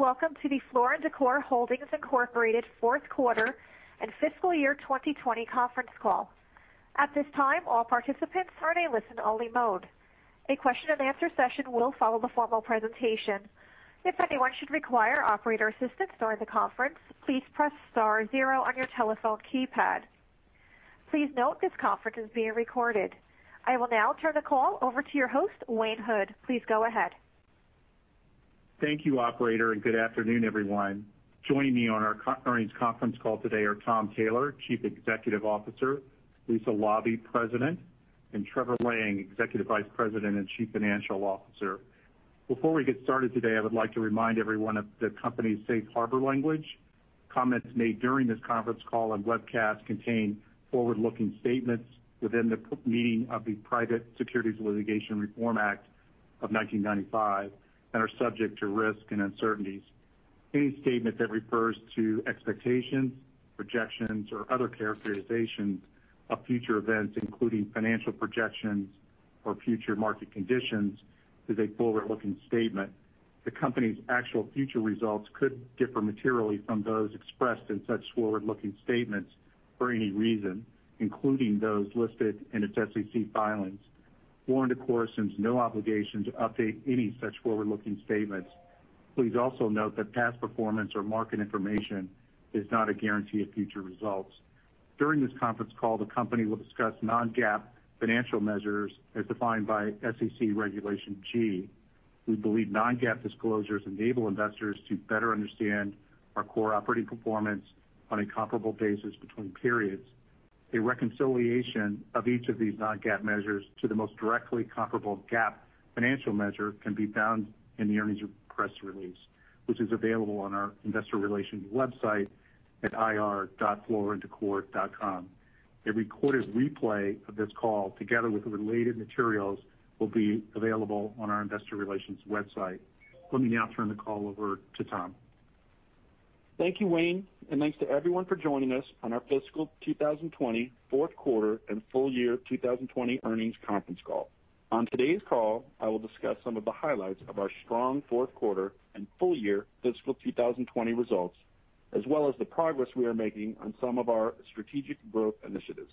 Welcome to the Floor & Decor Holdings, Inc. fourth quarter and fiscal year 2020 conference call. At this time, all participants are in a listen-only mode. A question-and-answer session will follow the formal presentation. If anyone should require operator assistance during the conference, please press star 0 on your telephone keypad. Please note this conference is being recorded. I will now turn the call over to your host, Wayne Hood. Please go ahead. Thank you, operator, and good afternoon, everyone. Joining me on our earnings conference call today are Tom Taylor, Chief Executive Officer, Lisa Laube, President, and Trevor Lang, Executive Vice President and Chief Financial Officer. Before we get started today, I would like to remind everyone of the company's safe harbor language. Comments made during this conference call and webcast contain forward-looking statements within the meaning of the Private Securities Litigation Reform Act of 1995 and are subject to risk and uncertainties. Any statement that refers to expectations, projections, or other characterizations of future events, including financial projections or future market conditions, is a forward-looking statement. The company's actual future results could differ materially from those expressed in such forward-looking statements for any reason, including those listed in its SEC filings. Floor & Decor assumes no obligation to update any such forward-looking statements. Please also note that past performance or market information is not a guarantee of future results. During this conference call, the company will discuss non-GAAP financial measures as defined by SEC Regulation G. We believe non-GAAP disclosures enable investors to better understand our core operating performance on a comparable basis between periods. A reconciliation of each of these non-GAAP measures to the most directly comparable GAAP financial measure can be found in the earnings press release, which is available on our investor relations website at ir.flooranddecor.com. A recorded replay of this call, together with the related materials, will be available on our investor relations website. Let me now turn the call over to Tom. Thank you, Wayne, and thanks to everyone for joining us on our fiscal 2020 fourth quarter and full year 2020 earnings conference call. On today's call, I will discuss some of the highlights of our strong fourth quarter and full year fiscal 2020 results, as well as the progress we are making on some of our strategic growth initiatives.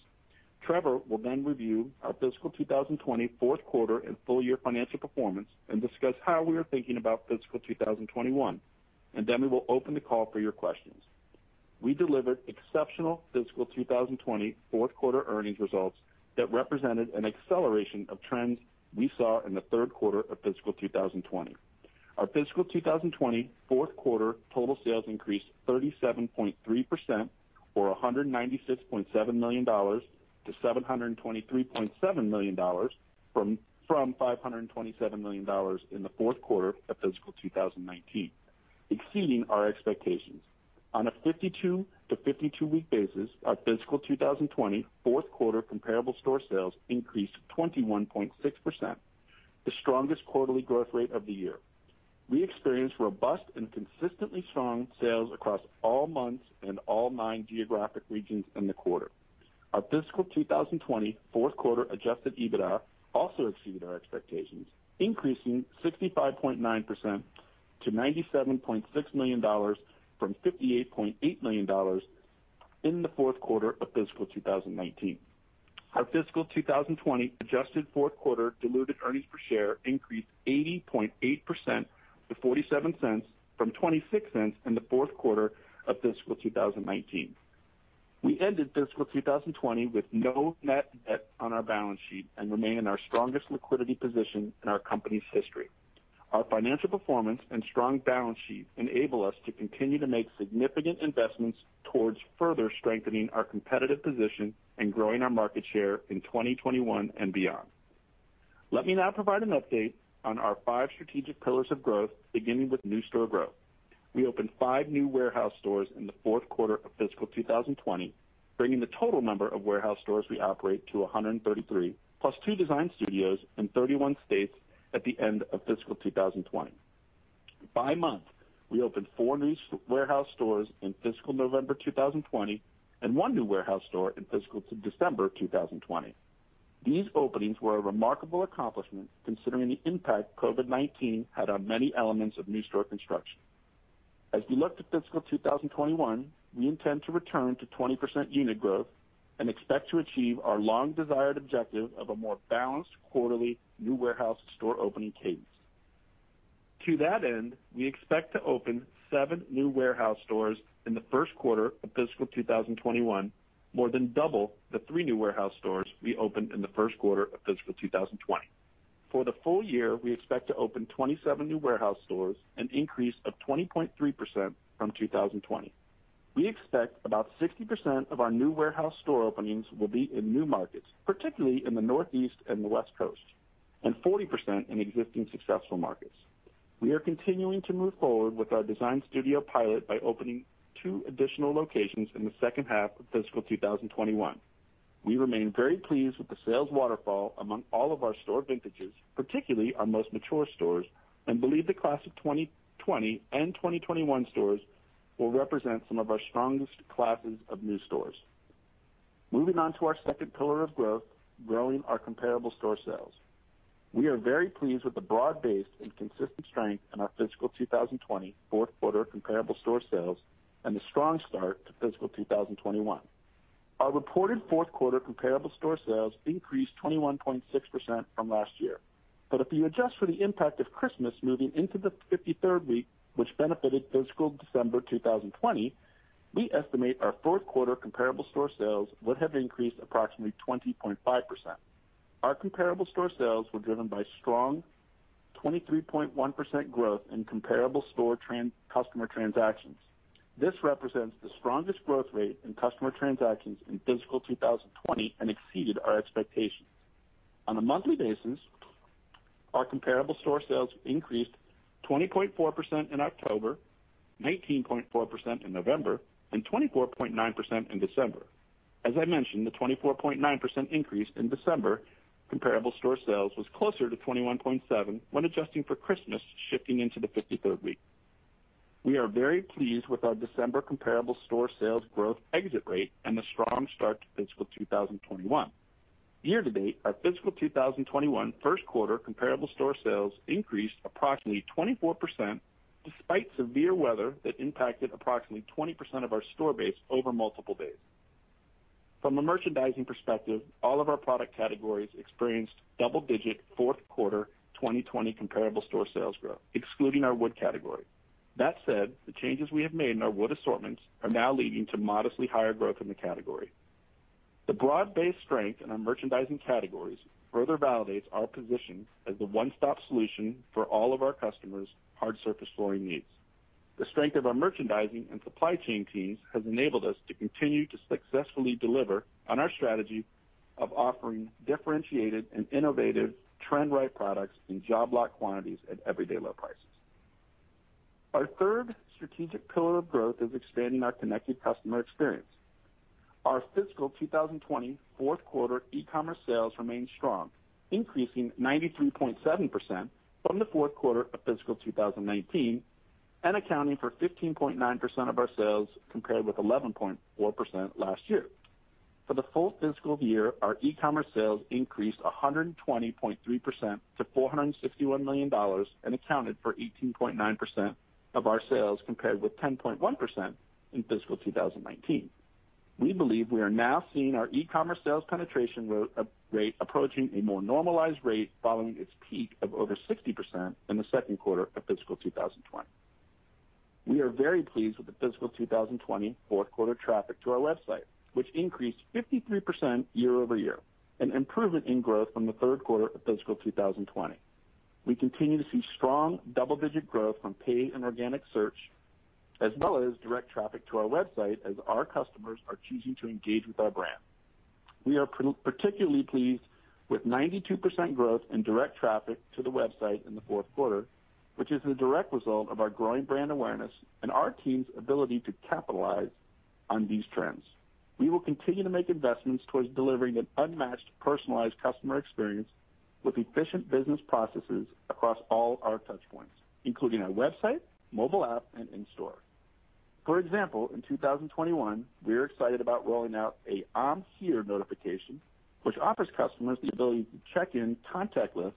Trevor will then review our fiscal 2020 fourth quarter and full year financial performance and discuss how we are thinking about fiscal 2021, and then we will open the call for your questions. We delivered exceptional fiscal 2020 fourth quarter earnings results that represented an acceleration of trends we saw in the third quarter of fiscal 2020. Our fiscal 2020 fourth quarter total sales increased 37.3% or $196.7 million to $723.7 million from $527 million in the fourth quarter of fiscal 2019, exceeding our expectations. On a 52- to 52-week basis, our fiscal 2020 fourth quarter comparable store sales increased 21.6%, the strongest quarterly growth rate of the year. We experienced robust and consistently strong sales across all months and all nine geographic regions in the quarter. Our fiscal 2020 fourth quarter adjusted EBITDA also exceeded our expectations, increasing 65.9% to $97.6 million from $58.8 million in the fourth quarter of fiscal 2019. Our fiscal 2020 adjusted fourth quarter diluted earnings per share increased 80.8% to $0.47 from $0.26 in the fourth quarter of fiscal 2019. We ended fiscal 2020 with no net debt on our balance sheet and remain in our strongest liquidity position in our company's history. Our financial performance and strong balance sheet enable us to continue to make significant investments towards further strengthening our competitive position and growing our market share in 2021 and beyond. Let me now provide an update on our five strategic pillars of growth, beginning with new store growth. We opened five new warehouse stores in the fourth quarter of fiscal 2020, bringing the total number of warehouse stores we operate to 133, plus two design studios in 31 states at the end of fiscal 2020. By month, we opened four new warehouse stores in fiscal November 2020 and one new warehouse store in fiscal December 2020. These openings were a remarkable accomplishment considering the impact COVID-19 had on many elements of new store construction. As we look to fiscal 2021, we intend to return to 20% unit growth and expect to achieve our long-desired objective of a more balanced quarterly new warehouse store opening pace. To that end, we expect to open seven new warehouse stores in the first quarter of fiscal 2021, more than double the three new warehouse stores we opened in the first quarter of fiscal 2020. For the full year, we expect to open 27 new warehouse stores, an increase of 20.3% from 2020. We expect about 60% of our new warehouse store openings will be in new markets, particularly in the Northeast and the West Coast, and 40% in existing successful markets. We are continuing to move forward with our design studio pilot by opening two additional locations in the second half of fiscal 2021. We remain very pleased with the sales waterfall among all of our store vintages, particularly our most mature stores, and believe the class of 2020 and 2021 stores will represent some of our strongest classes of new stores. Moving on to our second pillar of growth, growing our comparable store sales. We are very pleased with the broad-based and consistent strength in our fiscal 2020 fourth quarter comparable store sales and the strong start to fiscal 2021. Our reported fourth quarter comparable store sales increased 21.6% from last year. If you adjust for the impact of Christmas moving into the 53rd week, which benefited fiscal December 2020, we estimate our fourth quarter comparable store sales would have increased approximately 20.5%. Our comparable store sales were driven by strong 23.1% growth in comparable store customer transactions. This represents the strongest growth rate in customer transactions in fiscal 2020 and exceeded our expectations. On a monthly basis, our comparable store sales increased 20.4% in October, 19.4% in November, and 24.9% in December. As I mentioned, the 24.9% increase in December comparable store sales was closer to 21.7% when adjusting for Christmas shifting into the 53rd week. We are very pleased with our December comparable store sales growth exit rate and the strong start to fiscal 2021. Year to date, our fiscal 2021 first quarter comparable store sales increased approximately 24% despite severe weather that impacted approximately 20% of our store base over multiple days. From a merchandising perspective, all of our product categories experienced double-digit fourth quarter 20 comparable store sales growth, excluding our wood category. The changes we have made in our wood assortments are now leading to modestly higher growth in the category. The broad-based strength in our merchandising categories further validates our position as the one-stop solution for all of our customers' hard surface flooring needs. The strength of our merchandising and supply chain teams has enabled us to continue to successfully deliver on our strategy of offering differentiated and innovative trend-right products in job lot quantities at everyday low prices. Our third strategic pillar of growth is expanding our connected customer experience. Our fiscal 2020 fourth quarter e-commerce sales remained strong, increasing 93.7% from the fourth quarter of fiscal 2019 and accounting for 15.9% of our sales, compared with 11.4% last year. For the full fiscal year, our e-commerce sales increased 120.3% to $461 million and accounted for 18.9% of our sales, compared with 10.1% in fiscal 2019. We believe we are now seeing our e-commerce sales penetration rate approaching a more normalized rate following its peak of over 60% in the second quarter of fiscal 2020. We are very pleased with the fiscal 2020 fourth quarter traffic to our website, which increased 53% year-over-year, an improvement in growth from the third quarter of fiscal 2020. We continue to see strong double-digit growth from paid and organic search, as well as direct traffic to our website as our customers are choosing to engage with our brand. We are particularly pleased with 92% growth in direct traffic to the website in the fourth quarter, which is the direct result of our growing brand awareness and our team's ability to capitalize on these trends. We will continue to make investments towards delivering an unmatched, personalized customer experience with efficient business processes across all our touch points, including our website, mobile app, and in store. For example, in 2021, we are excited about rolling out a I'm Here notification, which offers customers the ability to check in contactless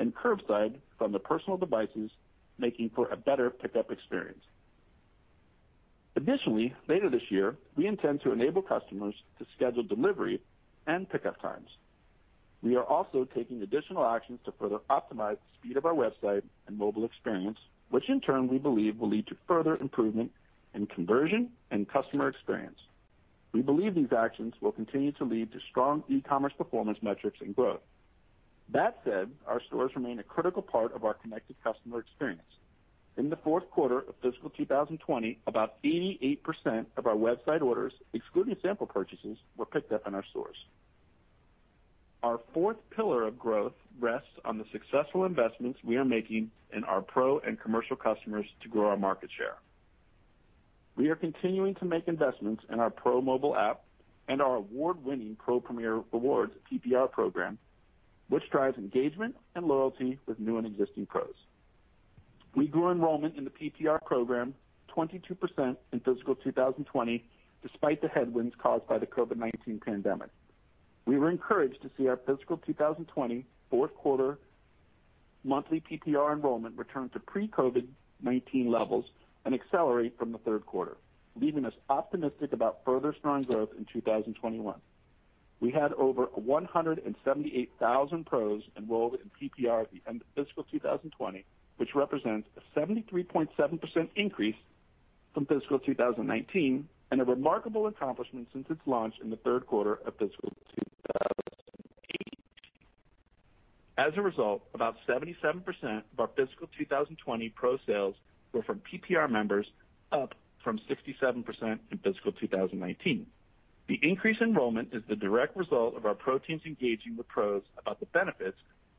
and curbside from their personal devices, making for a better pickup experience. Additionally, later this year, we intend to enable customers to schedule delivery and pickup times. We are also taking additional actions to further optimize the speed of our website and mobile experience, which in turn we believe will lead to further improvement in conversion and customer experience. We believe these actions will continue to lead to strong e-commerce performance metrics and growth. That said, our stores remain a critical part of our connected customer experience. In the fourth quarter of fiscal 2020, about 88% of our website orders, excluding sample purchases, were picked up in our stores. Our fourth pillar of growth rests on the successful investments we are making in our pro and commercial customers to grow our market share. We are continuing to make investments in our pro mobile app and our award-winning Pro Premier Rewards, PPR program, which drives engagement and loyalty with new and existing pros. We grew enrollment in the PPR program 22% in fiscal 2020, despite the headwinds caused by the COVID-19 pandemic. We were encouraged to see our fiscal 2020 fourth quarter monthly PPR enrollment return to pre-COVID-19 levels and accelerate from the third quarter, leaving us optimistic about further strong growth in 2021. We had over 178,000 pros enrolled in PPR at the end of fiscal 2020, which represents a 73.7% increase from fiscal 2019 and a remarkable accomplishment since its launch in the third quarter of fiscal 2018. As a result, about 77% of our fiscal 2020 pro sales were from PPR members, up from 67% in fiscal 2019. The increased enrollment is the direct result of our pro teams engaging with pros about the benefits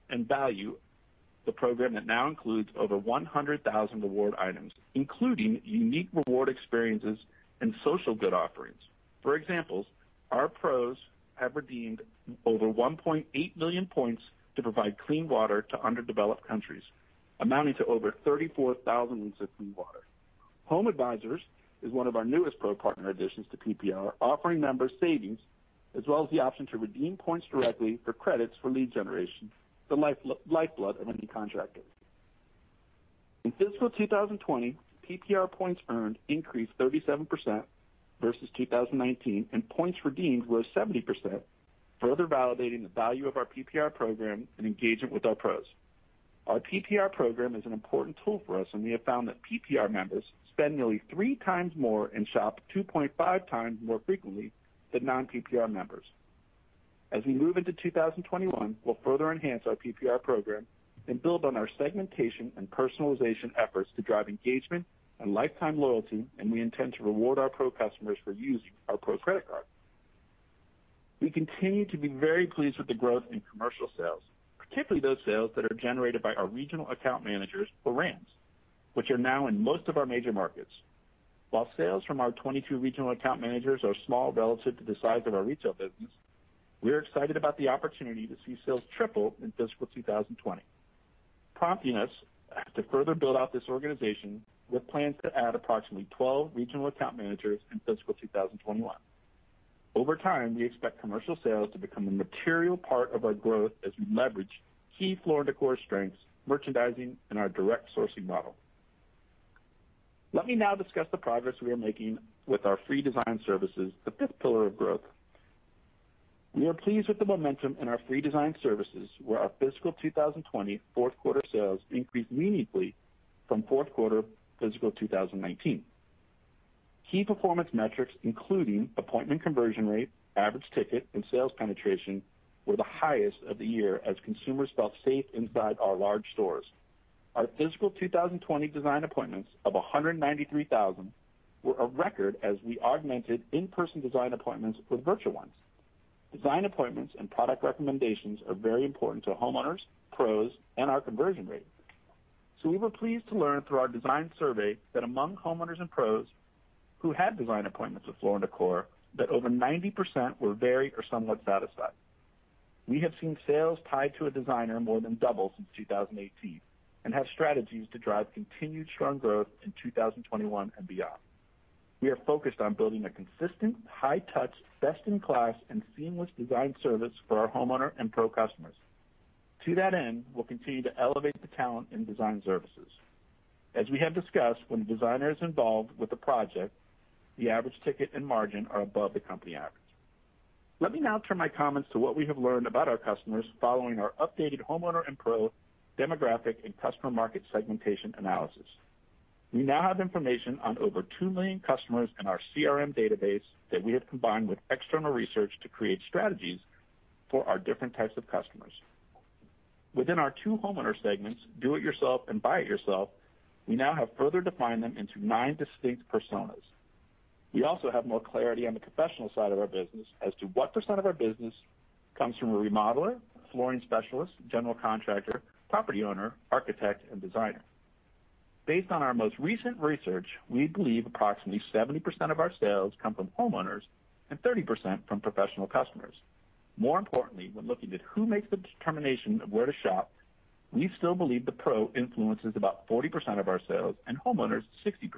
and value the program that now includes over 100,000 reward items, including unique reward experiences and social good offerings. For example, our pros have redeemed over 1.8 million points to provide clean water to underdeveloped countries, amounting to over 34,000 liters of clean water. HomeAdvisor is one of our newest pro partner additions to PPR, offering members savings as well as the option to redeem points directly for credits for lead generation, the lifeblood of any contractor. In fiscal 2020, PPR points earned increased 37% versus 2019, and points redeemed rose 70%, further validating the value of our PPR program and engagement with our pros. Our PPR program is an important tool for us, and we have found that PPR members spend nearly 3x more and shop 2.5x more frequently than non-PPR members. As we move into 2021, we'll further enhance our PPR program and build on our segmentation and personalization efforts to drive engagement and lifetime loyalty, and we intend to reward our pro customers for using our pro credit card. We continue to be very pleased with the growth in commercial sales, particularly those sales that are generated by our regional account managers or RAMs, which are now in most of our major markets. While sales from our 22 regional account managers are small relative to the size of our retail business, we are excited about the opportunity to see sales triple in fiscal 2020, prompting us to further build out this organization with plans to add approximately 12 regional account managers in fiscal 2021. Over time, we expect commercial sales to become a material part of our growth as we leverage key Floor & Decor strengths, merchandising, and our direct sourcing model. Let me now discuss the progress we are making with our free design services, the fifth pillar of growth. We are pleased with the momentum in our free design services, where our fiscal 2020 fourth quarter sales increased meaningfully from fourth quarter fiscal 2019. Key performance metrics, including appointment conversion rate, average ticket, and sales penetration, were the highest of the year as consumers felt safe inside our large stores. Our fiscal 2020 design appointments of 193,000 were a record as we augmented in-person design appointments with virtual ones. Design appointments and product recommendations are very important to homeowners, pros, and our conversion rate. We were pleased to learn through our design survey that among homeowners and pros who had design appointments with Floor & Decor, that over 90% were very or somewhat satisfied. We have seen sales tied to a designer more than double since 2018 and have strategies to drive continued strong growth in 2021 and beyond. We are focused on building a consistent, high-touch, best-in-class, and seamless design service for our homeowner and pro customers. To that end, we'll continue to elevate the talent in design services. As we have discussed, when a designer is involved with the project, the average ticket and margin are above the company average. Let me now turn my comments to what we have learned about our customers following our updated homeowner and pro demographic and customer market segmentation analysis. We now have information on over 2 million customers in our CRM database that we have combined with external research to create strategies for our different types of customers. Within our two homeowner segments, do it yourself and buy it yourself, we now have further defined them into nine distinct personas. We also have more clarity on the professional side of our business as to what % of our business comes from a remodeler, flooring specialist, general contractor, property owner, architect, and designer. Based on our most recent research, we believe approximately 70% of our sales come from homeowners and 30% from professional customers. More importantly, when looking at who makes the determination of where to shop, we still believe the pro influences about 40% of our sales and homeowners 60%.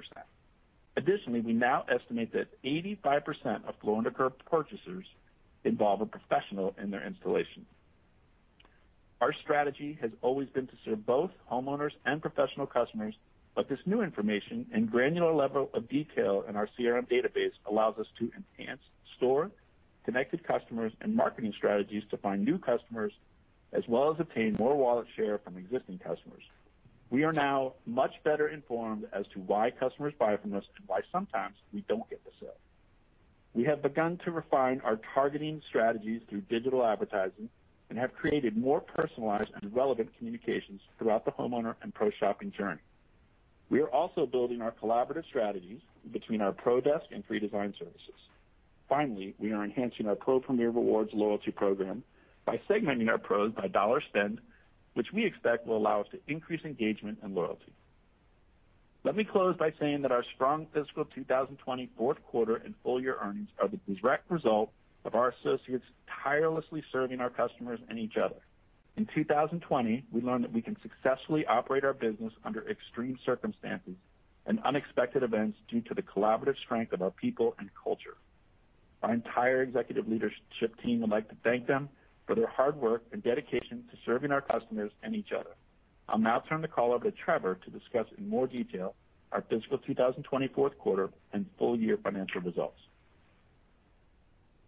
Additionally, we now estimate that 85% of Floor & Decor purchasers involve a professional in their installation. Our strategy has always been to serve both homeowners and professional customers, but this new information and granular level of detail in our CRM database allows us to enhance store, connected customers, and marketing strategies to find new customers, as well as obtain more wallet share from existing customers. We are now much better informed as to why customers buy from us and why sometimes we don't get the sale. We have begun to refine our targeting strategies through digital advertising and have created more personalized and relevant communications throughout the homeowner and pro shopping journey. We are also building our collaborative strategies between our pro desk and free design services. Finally, we are enhancing our Pro Premier Rewards loyalty program by segmenting our pros by dollar spend, which we expect will allow us to increase engagement and loyalty. Let me close by saying that our strong fiscal 2020 fourth quarter and full year earnings are the direct result of our associates tirelessly serving our customers and each other. In 2020, we learned that we can successfully operate our business under extreme circumstances and unexpected events due to the collaborative strength of our people and culture. Our entire executive leadership team would like to thank them for their hard work and dedication to serving our customers and each other. I'll now turn the call over to Trevor to discuss in more detail our fiscal 2020 fourth quarter and full year financial results.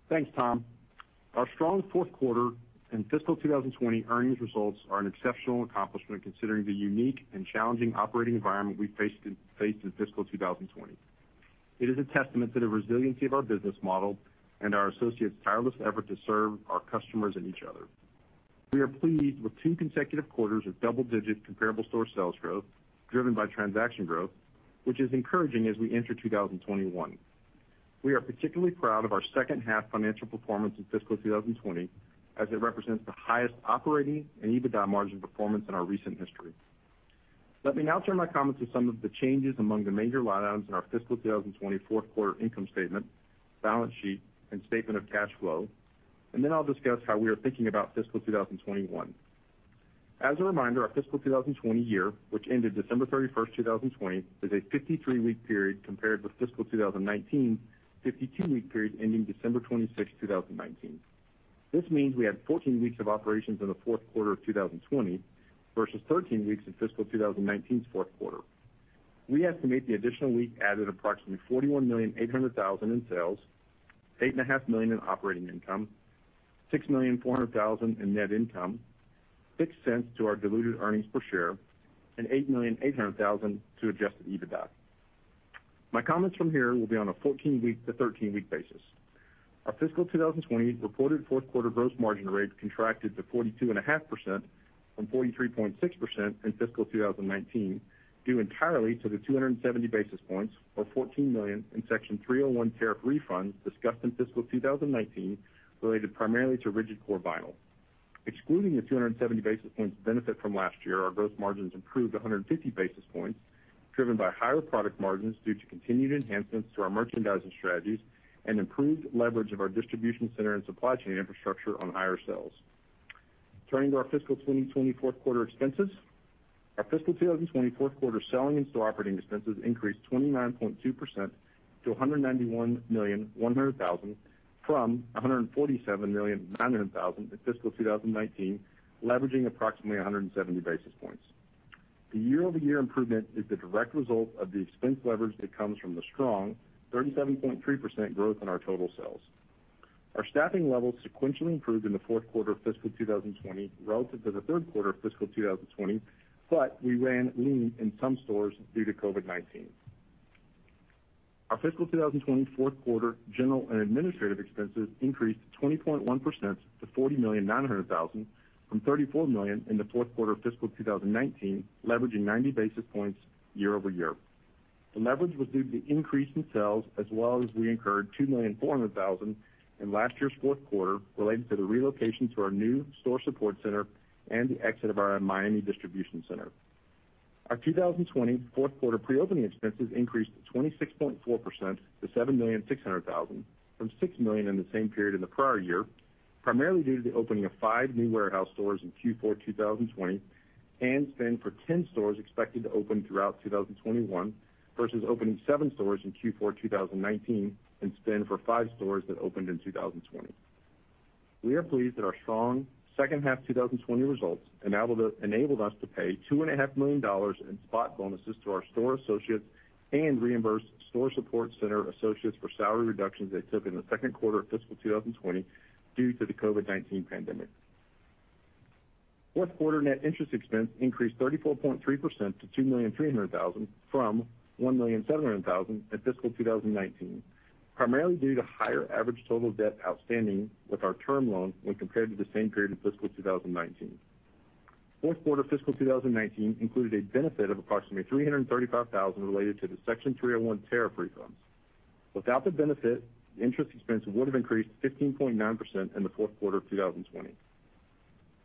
Thanks, Tom. Our strong fourth quarter and fiscal 2020 earnings results are an exceptional accomplishment considering the unique and challenging operating environment we faced in fiscal 2020. It is a testament to the resiliency of our business model and our associates' tireless effort to serve our customers and each other. We are pleased with two consecutive quarters of double-digit comparable store sales growth driven by transaction growth, which is encouraging as we enter 2021. We are particularly proud of our second half financial performance in fiscal 2020 as it represents the highest operating and EBITDA margin performance in our recent history. Let me now turn my comments to some of the changes among the major line items in our fiscal 2020 fourth quarter income statement, balance sheet, and statement of cash flow. Then I'll discuss how we are thinking about fiscal 2021. As a reminder, our fiscal 2020 year, which ended December 31, 2020, is a 53-week period compared with fiscal 2019 52-week period ending December 26, 2019. This means we had 14 weeks of operations in the fourth quarter of 2020 versus 13 weeks in fiscal 2019's fourth quarter. We estimate the additional week added approximately $41.8 million in sales, $8.5 million in operating income, $6.4 million in net income, $0.06 to our diluted earnings per share, and $8.8 million to adjusted EBITDA. My comments from here will be on a 14-week to 13-week basis. Our fiscal 2020 reported fourth quarter gross margin rate contracted to 42.5% from 43.6% in fiscal 2019, due entirely to the 270 basis points or $14 million in Section 301 tariff refunds discussed in fiscal 2019 related primarily to rigid core vinyl. Excluding the 270 basis points benefit from last year, our gross margins improved 150 basis points, driven by higher product margins due to continued enhancements to our merchandising strategies and improved leverage of our distribution center and supply chain infrastructure on higher sales. Turning to our fiscal 2020 fourth quarter expenses. Our fiscal 2020 fourth quarter selling and store operating expenses increased 29.2% to $191.1 million from $147.9 million in fiscal 2019, leveraging approximately 170 basis points. The year-over-year improvement is the direct result of the expense leverage that comes from the strong 37.3% growth in our total sales. Our staffing levels sequentially improved in the fourth quarter of fiscal 2020 relative to the third quarter of fiscal 2020, but we ran lean in some stores due to COVID-19. Our fiscal 2020 fourth quarter general and administrative expenses increased 20.1% to $40.9 million from $34 million in the fourth quarter of fiscal 2019, leveraging 90 basis points year-over-year. The leverage was due to the increase in sales as well as we incurred $2.4 million in last year's fourth quarter related to the relocation to our new store support center and the exit of our Miami distribution center. Our 2020 fourth quarter pre-opening expenses increased 26.4% to $7.6 million from $6 million in the same period in the prior year, primarily due to the opening of five new warehouse stores in Q4 2020 and spend for 10 stores expected to open throughout 2021 versus opening seven stores in Q4 2019 and spend for five stores that opened in 2020. We are pleased that our strong second half 2020 results enabled us to pay $2.5 million in spot bonuses to our store associates and reimburse store support center associates for salary reductions they took in the second quarter of fiscal 2020 due to the COVID-19 pandemic. Fourth quarter net interest expense increased 34.3% to $2.3 million from $1.7 million in fiscal 2019, primarily due to higher average total debt outstanding with our term loan when compared to the same period in fiscal 2019. Fourth quarter fiscal 2019 included a benefit of approximately $335,000 related to the Section 301 tariff refunds. Without the benefit, the interest expense would have increased 15.9% in the fourth quarter of 2020.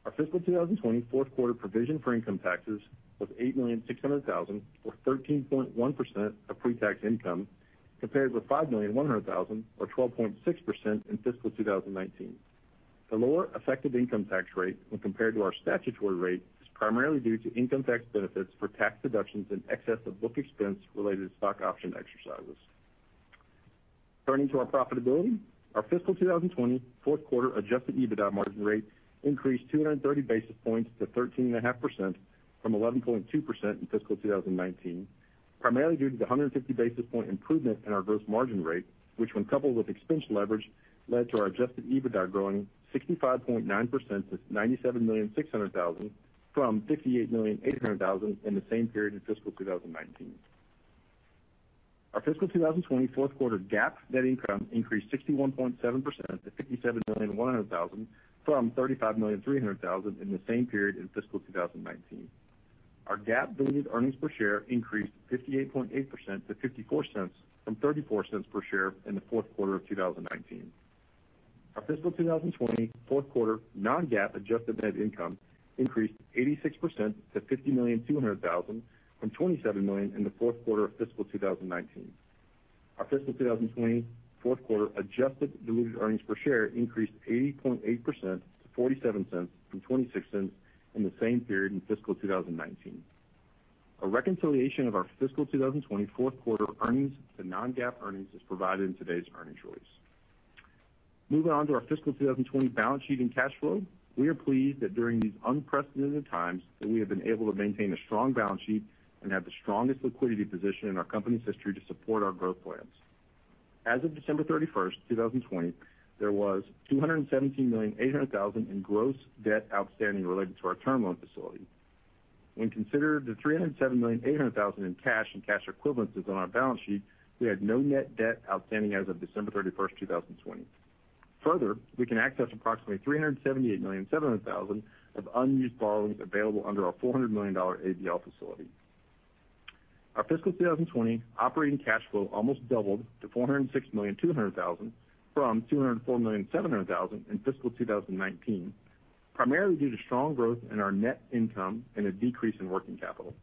Our fiscal 2020 fourth quarter provision for income taxes was $8.6 million or 13.1% of pre-tax income, compared with $5.1 million or 12.6% in fiscal 2019. The lower effective income tax rate when compared to our statutory rate is primarily due to income tax benefits for tax deductions in excess of book expense related to stock option exercises. Turning to our profitability. Our fiscal 2020 fourth quarter adjusted EBITDA margin rate increased 230 basis points to 13.5% from 11.2% in fiscal 2019, primarily due to the 150 basis point improvement in our gross margin rate, which when coupled with expense leverage, led to our adjusted EBITDA growing 65.9% to $97.6 million from $58.8 million in the same period in fiscal 2019. Our fiscal 2020 fourth quarter GAAP net income increased 61.7% to $57.1 million from $35.3 million in the same period in fiscal 2019. Our GAAP diluted earnings per share increased 58.8% to $0.54 from $0.34 per share in the fourth quarter of 2019. Our fiscal 2020 fourth quarter non-GAAP adjusted net income increased 86% to $50.2 million from $27 million in the fourth quarter of fiscal 2019. Our fiscal 2020 fourth quarter adjusted diluted earnings per share increased 80.8% to $0.47 from $0.26 in the same period in fiscal 2019. A reconciliation of our fiscal 2020 fourth quarter earnings to non-GAAP earnings is provided in today's earnings release. Moving on to our fiscal 2020 balance sheet and cash flow. We are pleased that during these unprecedented times that we have been able to maintain a strong balance sheet and have the strongest liquidity position in our company's history to support our growth plans. As of December 31st, 2020, there was $217.8 million in gross debt outstanding related to our term loan facility. When considered the $307.8 million in cash and cash equivalents is on our balance sheet, we had no net debt outstanding as of December 31st, 2020. Further, we can access approximately $378,700,000 of unused borrowings available under our $400 million ABL facility. Our fiscal 2020 operating cash flow almost doubled to $406,200,000 from $204,700,000 in fiscal 2019, primarily due to strong growth in our net income and a decrease in working capital.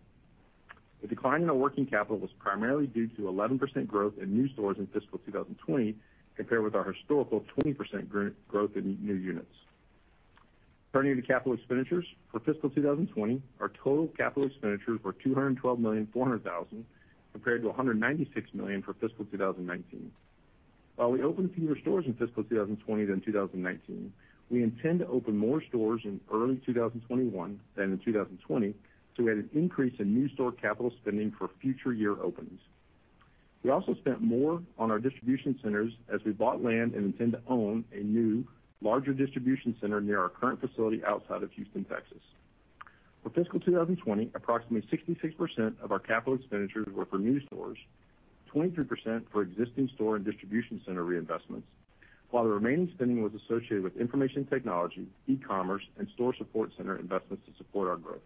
The decline in our working capital was primarily due to 11% growth in new stores in fiscal 2020 compared with our historical 20% growth in new units. Turning to capital expenditures. For fiscal 2020, our total capital expenditures were $212,400,000, compared to $196 million for fiscal 2019. While we opened fewer stores in fiscal 2020 than 2019, we intend to open more stores in early 2021 than in 2020, so we had an increase in new store capital spending for future year openings. We also spent more on our distribution centers as we bought land and intend to own a new larger distribution center near our current facility outside of Houston, Texas. For fiscal 2020, approximately 66% of our capital expenditures were for new stores, 23% for existing store and distribution center reinvestments. While the remaining spending was associated with information technology, e-commerce, and store support center investments to support our growth.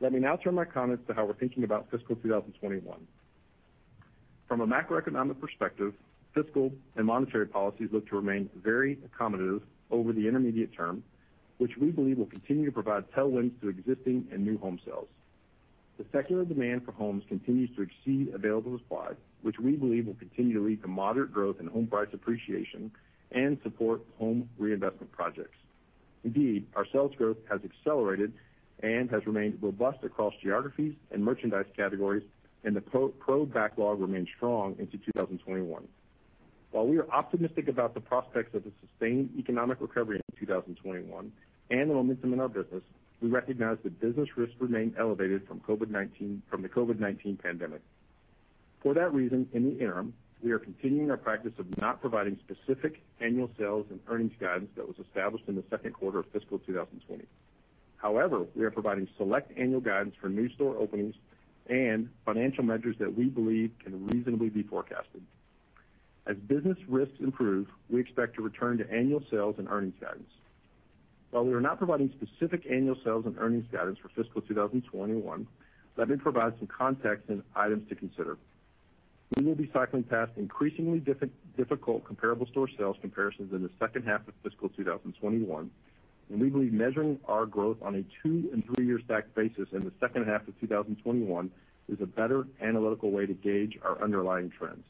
Let me now turn my comments to how we're thinking about fiscal 2021. From a macroeconomic perspective, fiscal and monetary policies look to remain very accommodative over the intermediate term, which we believe will continue to provide tailwinds to existing and new home sales. The secular demand for homes continues to exceed available supply, which we believe will continue to lead to moderate growth in home price appreciation and support home reinvestment projects. Indeed, our sales growth has accelerated and has remained robust across geographies and merchandise categories, and the PPR backlog remains strong into 2021. While we are optimistic about the prospects of a sustained economic recovery in 2021 and the momentum in our business, we recognize that business risks remain elevated from the COVID-19 pandemic. For that reason, in the interim, we are continuing our practice of not providing specific annual sales and earnings guidance that was established in the second quarter of fiscal 2020. We are providing select annual guidance for new store openings and financial measures that we believe can reasonably be forecasted. As business risks improve, we expect to return to annual sales and earnings guidance. While we are not providing specific annual sales and earnings guidance for fiscal 2021, let me provide some context and items to consider. We will be cycling past increasingly difficult comparable store sales comparisons in the second half of fiscal 2021, and we believe measuring our growth on a two and three-year stack basis in the second half of 2021 is a better analytical way to gauge our underlying trends.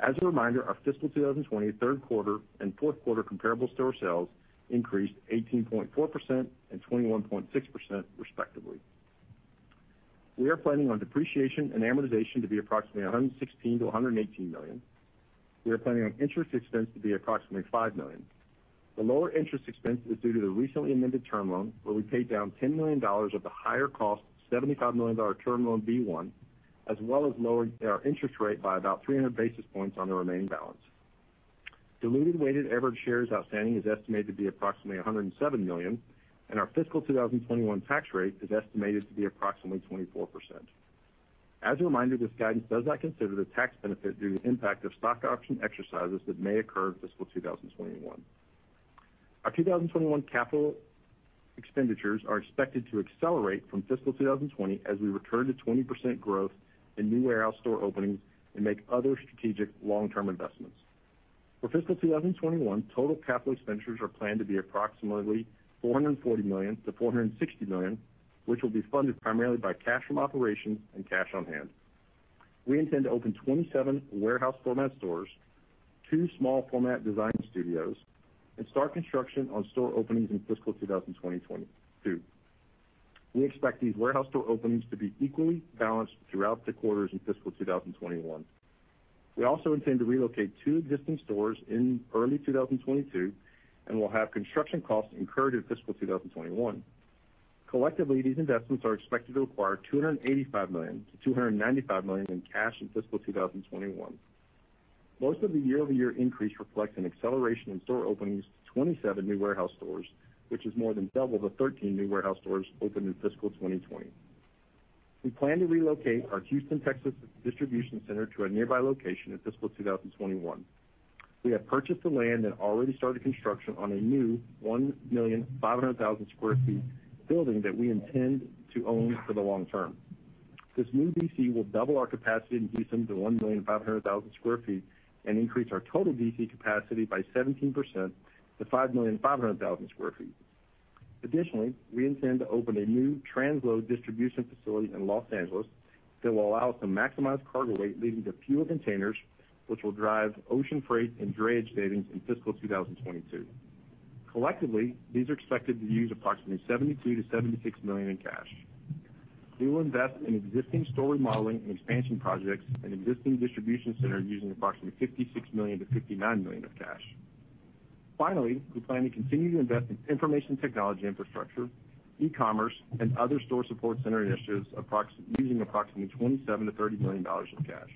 As a reminder, our fiscal 2020 third quarter and fourth quarter comparable store sales increased 18.4% and 21.6%, respectively. We are planning on depreciation and amortization to be approximately $116 million-$118 million. We are planning on interest expense to be approximately $5 million. The lower interest expense is due to the recently amended term loan, where we paid down $10 million of the higher cost, $75 million Term Loan B-1, as well as lowered our interest rate by about 300 basis points on the remaining balance. Diluted weighted average shares outstanding is estimated to be approximately 107 million, and our fiscal 2021 tax rate is estimated to be approximately 24%. As a reminder, this guidance does not consider the tax benefit due to the impact of stock option exercises that may occur in fiscal 2021. Our 2021 capital expenditures are expected to accelerate from fiscal 2020 as we return to 20% growth in new warehouse store openings and make other strategic long-term investments. For fiscal 2021, total capital expenditures are planned to be approximately $440 million-$460 million, which will be funded primarily by cash from operations and cash on-hand. We intend to open 27 warehouse format stores, two small format design studios, and start construction on store openings in fiscal 2022. We expect these warehouse store openings to be equally balanced throughout the quarters in fiscal 2021. We also intend to relocate two existing stores in early 2022 and will have construction costs incurred in fiscal 2021. Collectively, these investments are expected to require $285 million-$295 million in cash in fiscal 2021. Most of the year-over-year increase reflects an acceleration in store openings to 27 new warehouse stores, which is more than double the 13 new warehouse stores opened in fiscal 2020. We plan to relocate our Houston, Texas, distribution center to a nearby location in fiscal 2021. We have purchased the land and already started construction on a new 1,500,000 sq ft building that we intend to own for the long term. This new DC will double our capacity in Houston to 1,500,000 sq ft and increase our total DC capacity by 17% to 5,500,000 sq ft. Additionally, we intend to open a new transload distribution facility in Los Angeles that will allow us to maximize cargo weight, leading to fewer containers, which will drive ocean freight and drayage savings in fiscal 2022. Collectively, these are expected to use approximately $72 million-$76 million in cash. We will invest in existing store remodeling and expansion projects and existing distribution center using approximately $56 million-$59 million of cash. Finally, we plan to continue to invest in information technology infrastructure, e-commerce, and other store support center initiatives using approximately $27 million-$30 million in cash.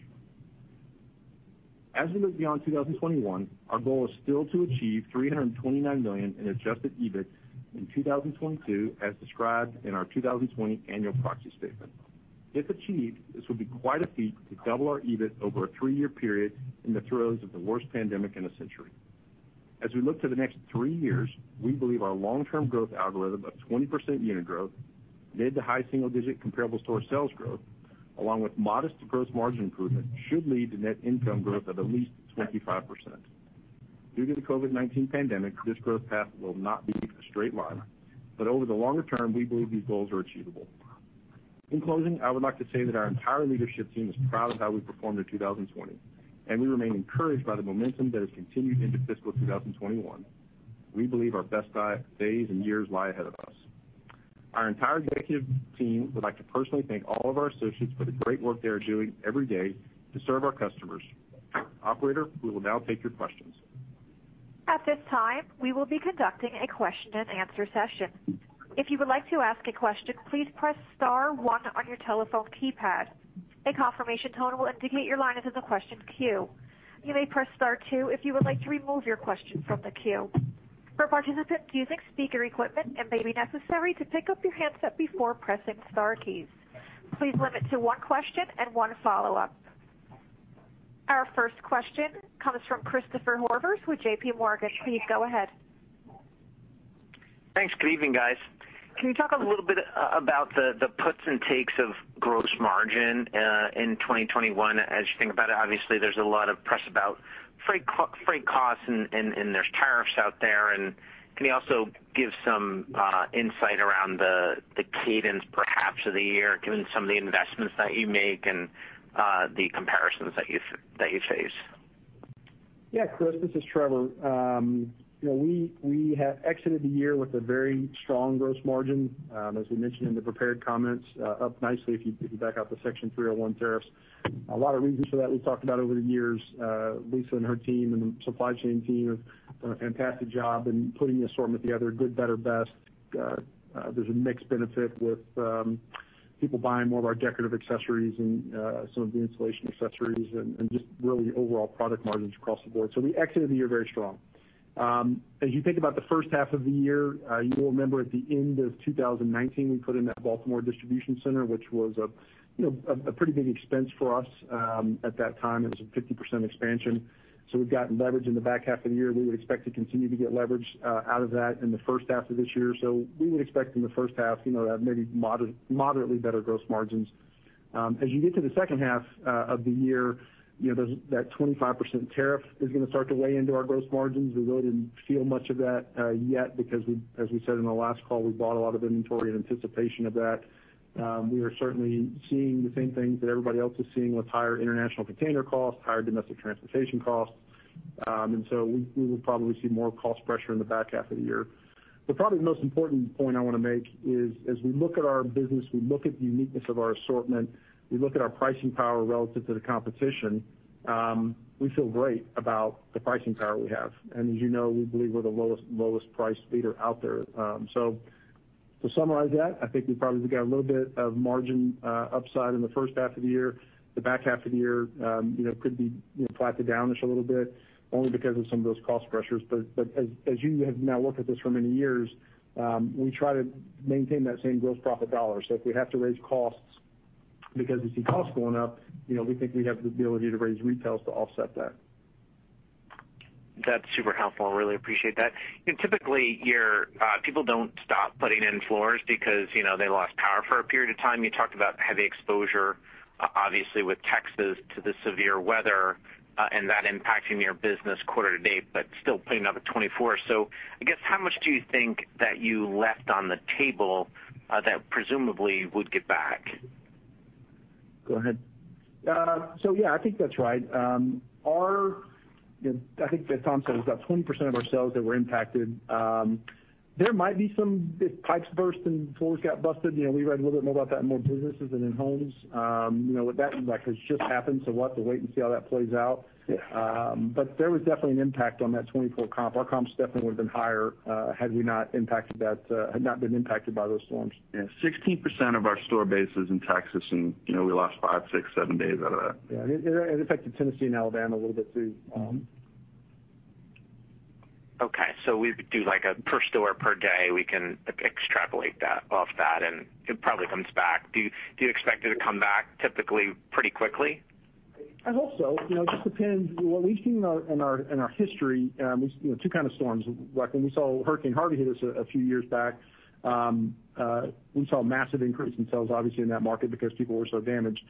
As we look beyond 2021, our goal is still to achieve $329 million in adjusted EBIT in 2022, as described in our 2020 annual proxy statement. If achieved, this would be quite a feat to double our EBIT over a three-year period in the throes of the worst pandemic in a century. As we look to the next three years, we believe our long-term growth algorithm of 20% unit growth mid to high single-digit comparable store sales growth, along with modest gross margin improvement, should lead to net income growth of at least 25%. Due to the COVID-19 pandemic, this growth path will not be a straight line. Over the longer term, we believe these goals are achievable. In closing, I would like to say that our entire leadership team is proud of how we performed in 2020, and we remain encouraged by the momentum that has continued into fiscal 2021. We believe our best days and years lie ahead of us. Our entire executive team would like to personally thank all of our associates for the great work they are doing every day to serve our customers. Operator, we will now take your questions. Our first question comes from Christopher Horvers with JPMorgan. Please go ahead. Thanks. Good evening, guys. Can you talk a little bit about the puts and takes of gross margin in 2021 as you think about it? Obviously, there's a lot of press about freight costs and there's tariffs out there. Can you also give some insight around the cadence perhaps of the year, given some of the investments that you make and the comparisons that you face? Yeah, Chris, this is Trevor. You know, we have exited the year with a very strong gross margin, as we mentioned in the prepared comments, up nicely if you back out the Section 301 tariffs. A lot of reasons for that we've talked about over the years. Lisa and her team and the supply chain team have done a fantastic job in putting the assortment together, good, better, best. There's a mixed benefit with people buying more of our decorative accessories and some of the installation accessories and just really overall product margins across the board. We exited the year very strong. As you think about the first half of the year, you will remember at the end of 2019, we put in that Baltimore Distribution Center, which was a, you know, a pretty big expense for us at that time. It was a 50% expansion, we've gotten leverage in the back half of the year. We would expect to continue to get leverage out of that in the first half of this year. We would expect in the first half, you know, to have maybe moderately better gross margins. As you get to the second half of the year, you know, that 25% tariff is gonna start to weigh into our gross margins. We really didn't feel much of that yet because we, as we said in the last call, we bought a lot of inventory in anticipation of that. We are certainly seeing the same things that everybody else is seeing with higher international container costs, higher domestic transportation costs. We will probably see more cost pressure in the back half of the year. Probably the most important point I wanna make is as we look at our business, we look at the uniqueness of our assortment, we look at our pricing power relative to the competition, we feel great about the pricing power we have. As you know, we believe we're the lowest price leader out there. To summarize that, I think we probably got a little bit of margin upside in the first half of the year. The back half of the year, you know, could be, you know, flat to down just a little bit only because of some of those cost pressures. As you have now worked with us for many years, we try to maintain that same gross profit dollar. If we have to raise costs because we see costs going up, you know, we think we have the ability to raise retails to offset that. That's super helpful. I really appreciate that. You know, typically, your people don't stop putting in floors because, you know, they lost power for a period of time. You talked about heavy exposure, obviously, with Texas to the severe weather, and that impacting your business quarter to date, but still putting up a 24. I guess, how much do you think that you left on the table that presumably would get back? Go ahead. Yeah, I think that's right. You know, I think that Tom said it was about 20% of our sales that were impacted. There might be some If pipes burst and floors got busted, you know, we read a little bit more about that in more businesses than in homes. You know, what that looks like has just happened, we'll have to wait and see how that plays out. Yeah. There was definitely an impact on that 24 comp. Our comps definitely would've been higher, had we not impacted that, had not been impacted by those storms. Yeah. 16% of our store base is in Texas, and you know, we lost five, six, seven days out of that. Yeah. It affected Tennessee and Alabama a little bit, too. Okay. We do like a per store per day. We can extrapolate that, off that, and it probably comes back. Do you expect it to come back typically pretty quickly? I hope so. You know, it just depends. What we've seen in our, in our, in our history, you know, two kind of storms. Like, when we saw Hurricane Harvey hit us a few years back, we saw a massive increase in sales, obviously, in that market because people were so damaged.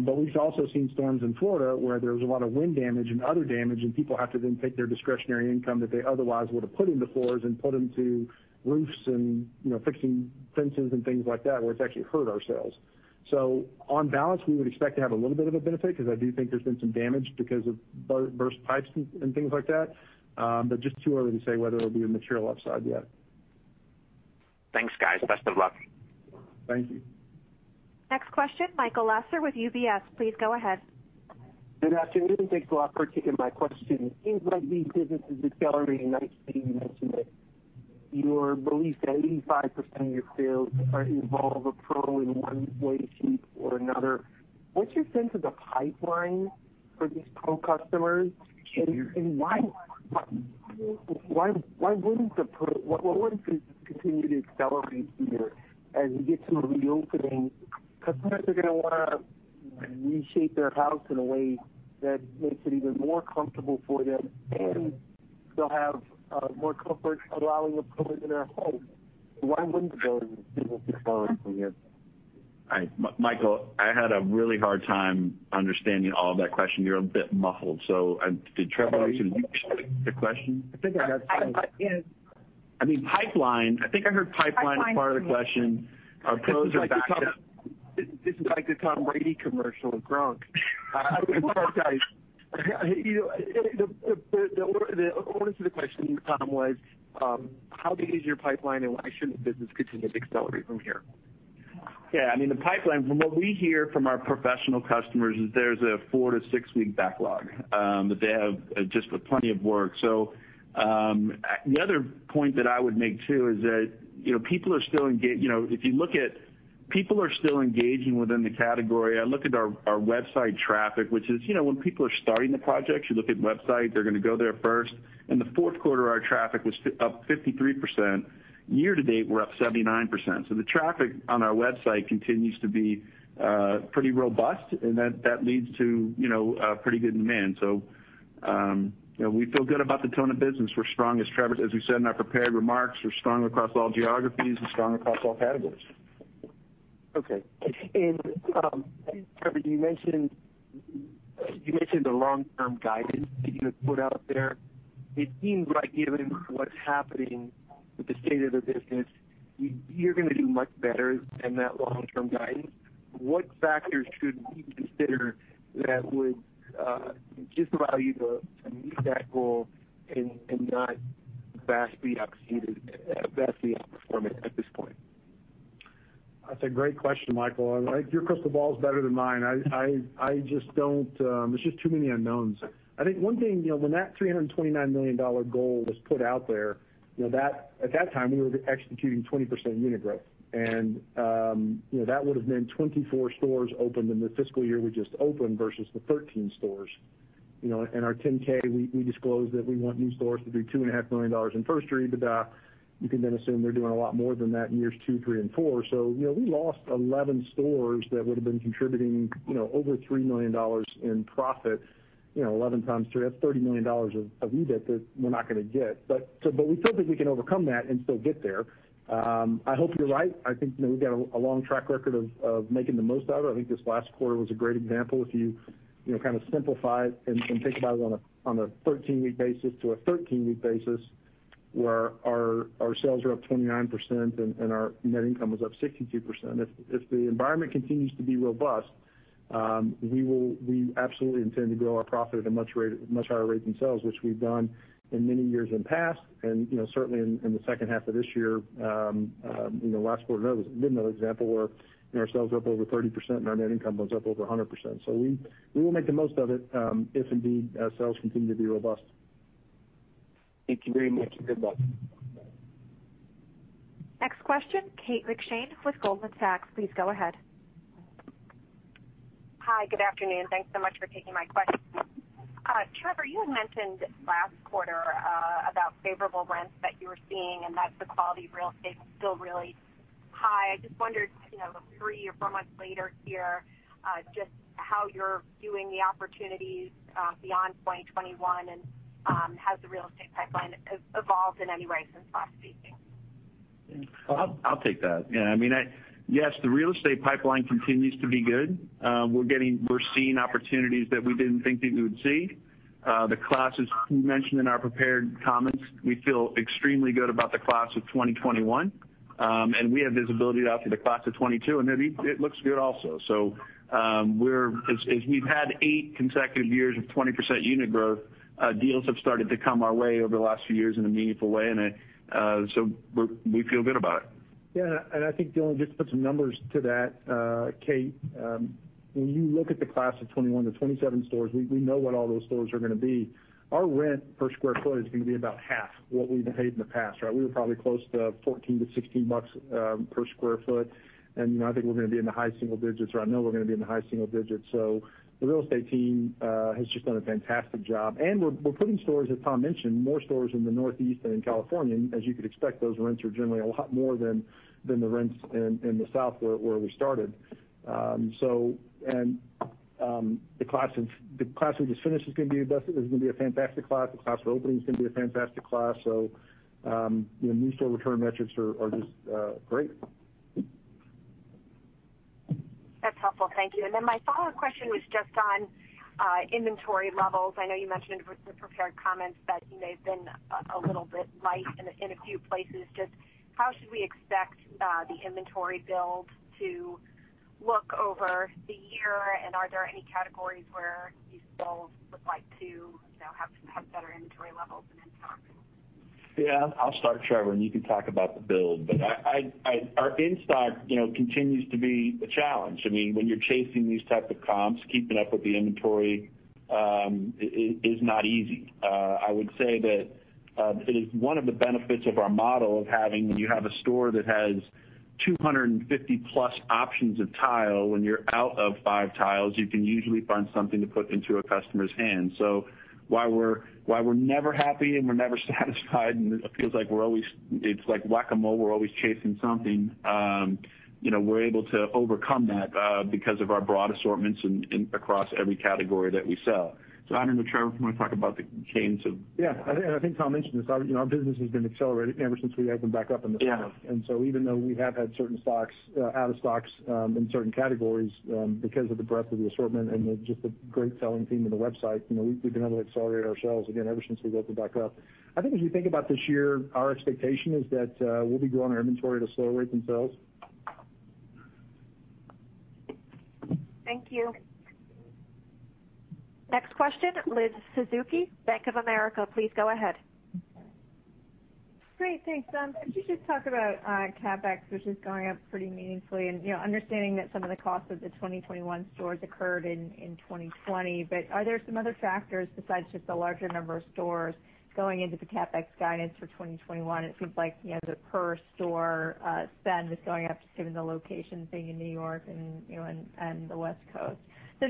We've also seen storms in Florida where there was a lot of wind damage and other damage, and people have to then take their discretionary income that they otherwise would have put into floors and put into roofs and, you know, fixing fences and things like that, where it's actually hurt our sales. On balance, we would expect to have a little bit of a benefit because I do think there's been some damage because of burst pipes and things like that. Just too early to say whether it'll be a material upside yet. Thanks, guys. Best of luck. Thank you. Next question, Michael Lasser with UBS, please go ahead. Good afternoon. Thanks a lot for taking my question. It seems like the business is accelerating. Nice to hear you mention that. Your belief that 85% of your sales involve a pro in one way, shape, or another. What's your sense of the pipeline for these pro customers? Why wouldn't this continue to accelerate here as we get some reopening? Customers are gonna wanna reshape their house in a way that makes it even more comfortable for them, and they'll have more comfort allowing a pro in their home. Why wouldn't the building business accelerate from here? Michael, I had a really hard time understanding all of that question. You're a bit muffled. Did Trevor actually repeat the question? I think I got some- I, yes. I mean, pipeline, I think I heard pipeline as part of the question. Pipeline, too. Our pros are back down. This is like the Tom Brady commercial Gronk. I apologize. You know, the order to the question, Tom, was how big is your pipeline and why shouldn't business continue to accelerate from here? Yeah, I mean, the pipeline, from what we hear from our professional customers, is there's a four to six-week backlog that they have just with plenty of work. The other point that I would make, too, is that, you know, if you look at people are still engaging within the category. I look at our website traffic, which is, you know, when people are starting the projects, you look at website, they're gonna go there first. In the fourth quarter, our traffic was up 53%. Year to date, we're up 79%. The traffic on our website continues to be pretty robust, and that leads to, you know, pretty good demand. You know, we feel good about the tone of business. We're strong, as Trevor, as we said in our prepared remarks, we're strong across all geographies and strong across all categories. Okay. Trevor, you mentioned the long-term guidance that you had put out there. It seems like given what's happening with the state of the business, you're gonna do much better than that long-term guidance. What factors should we consider that would just allow you to meet that goal and not vastly exceeded, vastly outperform it at this point? That's a great question, Michael. I like Your crystal ball is better than mine. I just don't. It's just too many unknowns. I think one thing, you know, when that $329 million goal was put out there, you know, at that time, we were executing 20% unit growth. You know, that would've been 24 stores opened in the fiscal year we just opened versus the 13 stores. You know, in our 10-K, we disclosed that we want new stores to do $2.5 million in first year EBITDA. You can then assume they're doing a lot more than that in years two, three and four. You know, we lost 11 stores that would've been contributing, you know, over $3 million in profit. You know, 11 times 3, that's $30 million of EBIT that we're not going to get. We still think we can overcome that and still get there. I hope you're right. I think, you know, we've got a long track record of making the most out of it. I think this last quarter was a great example. If you know, kind of simplify it and think about it on a 13-week basis to a 13-week basis, where our sales are up 29% and our net income was up 62%. If the environment continues to be robust, we absolutely intend to grow our profit at a much higher rate than sales, which we've done in many years in the past. You know, certainly in the second half of this year, you know, last quarter was another example where, you know, our sales were up over 30% and our net income was up over 100%. We will make the most of it if indeed our sales continue to be robust. Thank you very much. Good luck. Bye. Next question, Kate McShane with Goldman Sachs, please go ahead. Hi, good afternoon. Thanks so much for taking my question. Trevor, you had mentioned last quarter about favorable rents that you were seeing and that the quality of real estate is still really high. I just wondered, you know, three or four months later here, just how you're viewing the opportunities beyond 2021, and has the real estate pipeline evolved in any way since last speaking? I'll take that. Yeah, I mean, Yes, the real estate pipeline continues to be good. We're seeing opportunities that we didn't think that we would see. The classes we mentioned in our prepared comments, we feel extremely good about the class of 2021. We have visibility out to the class of 2022, and it looks good also. As we've had eight consecutive years of 20% unit growth, deals have started to come our way over the last few years in a meaningful way, and we feel good about it. Yeah, I think, [Dylan], just to put some numbers to that, Kate, when you look at the class of 2021, the 27 stores, we know what all those stores are gonna be. Our rent per square foot is gonna be about half what we've paid in the past, right? We were probably close to $14-$16 per square foot. You know, I think we're gonna be in the high single digits, or I know we're gonna be in the high single digits. The real estate team has just done a fantastic job. We're putting stores, as Tom mentioned, more stores in the Northeast than in California. As you could expect, those rents are generally a lot more than the rents in the South where we started. The class of, the class we just finished is gonna be a fantastic class. The class we're opening is gonna be a fantastic class. You know, new store return metrics are just great. That's helpful. Thank you. Then my follow-up question was just on inventory levels. I know you mentioned with the prepared comments that you may have been a little bit light in a few places. Just how should we expect the inventory build to look over the year and are there any categories where you still would like to, you know, have some, have better inventory levels than in stock? Yeah, I'll start, Trevor, and you can talk about the build. Our in-stock, you know, continues to be a challenge. I mean, when you're chasing these types of comps, keeping up with the inventory, is not easy. I would say that it is one of the benefits of our model of having, when you have a store that has 250-plus options of tile, when you're out of five tiles, you can usually find something to put into a customer's hand. Why we're never happy and we're never satisfied, and it feels like we're always it's like Whac-A-Mole, we're always chasing something, you know, we're able to overcome that because of our broad assortments in across every category that we sell. I don't know, Trevor, if you wanna talk about the gains of- Yeah. I think Tom mentioned this. You know, our business has been accelerating ever since we opened back up in the spring. Yeah. Even though we have had certain stocks, out of stocks, in certain categories, because of the breadth of the assortment and the just the great selling team in the website, you know, we've been able to accelerate our sales again ever since we opened back up. I think as you think about this year, our expectation is that we'll be growing our inventory to slow rates and sales. Thank you. Next question, Elizabeth Suzuki, Bank of America, please go ahead. Great. Thanks. Could you just talk about CapEx, which is going up pretty meaningfully? you know, understanding that some of the cost of the 2021 stores occurred in 2020, but are there some other factors besides just the larger number of stores going into the CapEx guidance for 2021? It seems like, you know, the per store spend is going up just given the location being in New York and, you know, and the West Coast.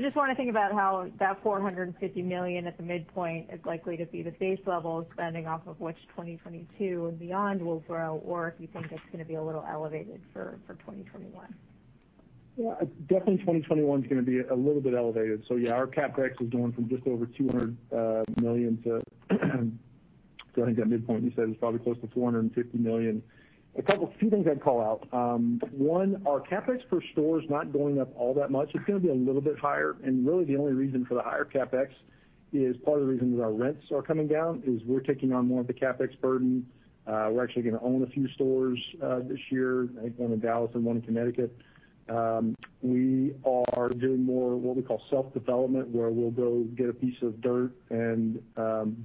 Just wanna think about how that $450 million at the midpoint is likely to be the base level of spending off of which 2022 and beyond will grow, or if you think it's gonna be a little elevated for 2021? Definitely 2021's going to be a little bit elevated. Our CapEx is going from just over $200 million to, so I think that midpoint you said is probably close to $450 million. A couple few things I'd call out. One, our CapEx per store is not going up all that much. It's going to be a little bit higher, really the only reason for the higher CapEx is part of the reason that our rents are coming down, is we're taking on more of the CapEx burden. We're actually going to own a few stores this year, I think one in Dallas and one in Connecticut. We are doing more what we call self-development, where we'll go get a piece of dirt and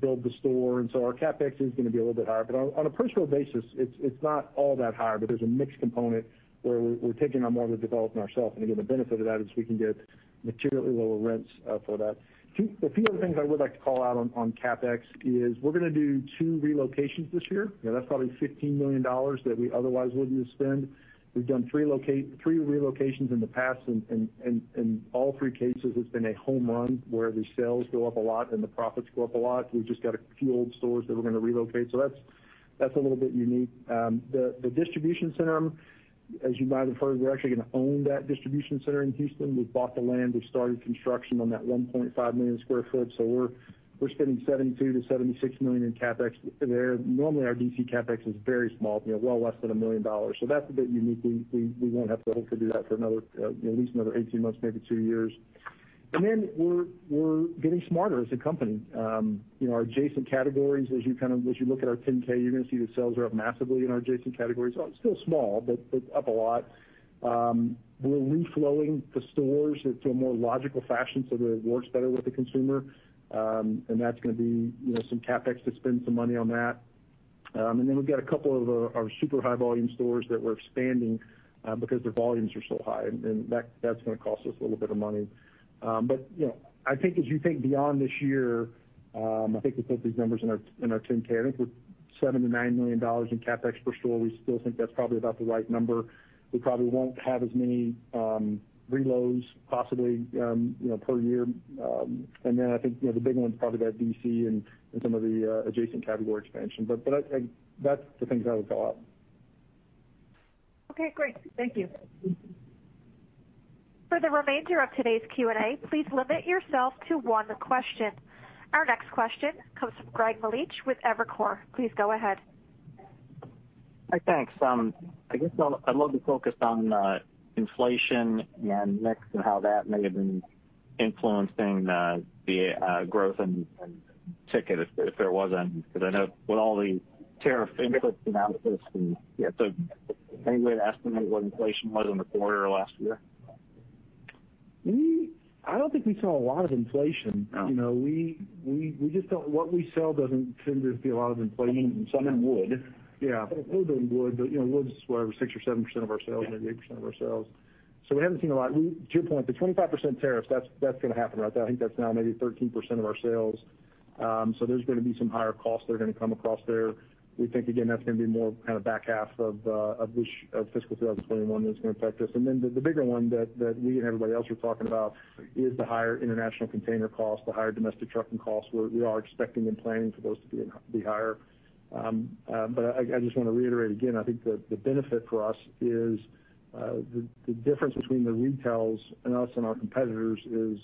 build the store. Our CapEx is going to be a little bit higher. On a personal basis, it's not all that higher, but there's a mixed component where we're taking on more of the development ourself. Again, the benefit of that is we can get materially lower rents for that. A few other things I would like to call out on CapEx is we're gonna do two relocations this year. You know, that's probably $15 million that we otherwise wouldn't spend. We've done three relocations in the past and in all three cases, it's been a home run where the sales go up a lot and the profits go up a lot. We've just got a few old stores that we're gonna relocate. That's a little bit unique. The distribution center, as you might have heard, we're actually gonna own that distribution center in Houston. We've bought the land. We've started construction on that 1.5 million sq ft. We're spending $72 million-$76 million in CapEx there. Normally, our DC CapEx is very small, you know, well less than $1 million. That's a bit unique. We won't have to hopefully do that for another, you know, at least another 18 months, maybe two years. We're getting smarter as a company. You know, our adjacent categories, as you look at our 10-K, you're gonna see that sales are up massively in our adjacent categories. Well, it's still small, but it's up a lot. We're reflowing the stores into a more logical fashion so that it works better with the consumer. That's gonna be, you know, some CapEx to spend some money on that. Then we've got a couple of our super high volume stores that we're expanding because their volumes are so high, and that's gonna cost us a little bit of money. You know, I think as you think beyond this year, I think we put these numbers in our 10-K. I think we're $79 million in CapEx per store. We still think that's probably about the right number. We probably won't have as many reloads possibly, you know, per year. Then I think, you know, the big one's probably that DC and some of the adjacent category expansion. I That's the things I would call out. Okay. Great. Thank you. For the remainder of today's Q&A, please limit yourself to one question. Our next question comes from Greg Melich with Evercore. Please go ahead. Hi. Thanks. I guess I'd love to focus on inflation and mix and how that may have been influencing the growth and ticket if there was any, because I know with all the tariff inputs and outputs and- Yeah. Any way to estimate what inflation was in the quarter or last year? We I don't think we saw a lot of inflation. Oh. You know, what we sell doesn't seem to be a lot of inflation. I mean, some in wood. Yeah. A little bit in wood, but you know, wood's what? 6% or 7% of our sales. Maybe 8% of our sales. We haven't seen a lot. To your point, the 25% tariff, that's gonna happen right now. I think that's now maybe 13% of our sales. There's gonna be some higher costs that are gonna come across there. We think again, that's gonna be more kinda back half of this fiscal 2021 that's gonna affect us. The bigger one that me and everybody else are talking about is the higher international container costs, the higher domestic trucking costs. We are expecting and planning for those to be higher. I just wanna reiterate again, I think the benefit for us is the difference between the retails and us and our competitors is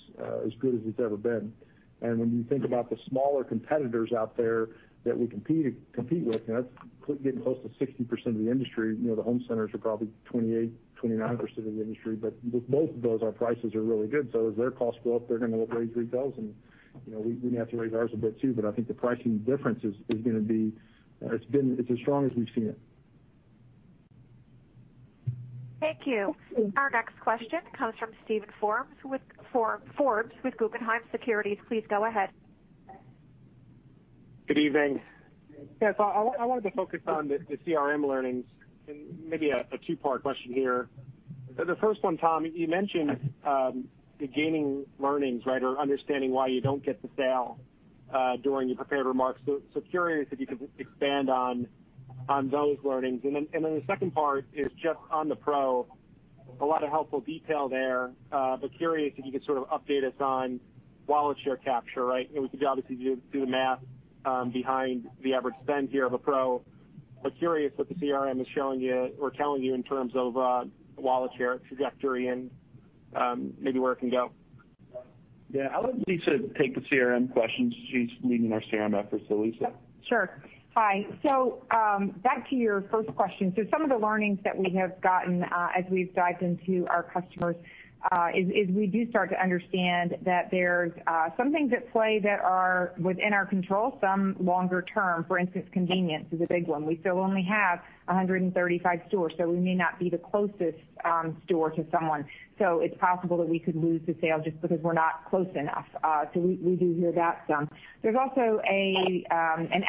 as good as it's ever been. When you think about the smaller competitors out there that we compete with, you know, that's getting close to 60% of the industry. You know, the home centers are probably 28%-29% of the industry. With both of those, our prices are really good. As their costs go up, they're gonna raise retails and, you know, we may have to raise ours a bit too. I think the pricing difference is gonna be, it's been it's as strong as we've seen it. Thank you. Our next question comes from Steven Forbes with Forbes with Guggenheim Securities. Please go ahead. Good evening. Yes, I wanted to focus on the CRM learnings and maybe a two-part question here. The first one, Tom, you mentioned gaining learnings, right, or understanding why you don't get the sale during your prepared remarks. Curious if you could expand on those learnings. The second part is just on the pro A lot of helpful detail there. Curious if you could sort of update us on wallet share capture, right? We could obviously do the math behind the average spend here of a Pro. Curious what the CRM is showing you or telling you in terms of wallet share trajectory and maybe where it can go. Yeah, I'll let Lisa Laube take the CRM questions. She's leading our CRM efforts, so Lisa Laube. Sure. Hi. Back to your first question. Some of the learnings that we have gotten, as we've dived into our customers, is we do start to understand that there's some things at play that are within our control, some longer term. For instance, convenience is a big one. We still only have 135 stores, we may not be the closest store to someone. It's possible that we could lose the sale just because we're not close enough. We do hear that some. There's also an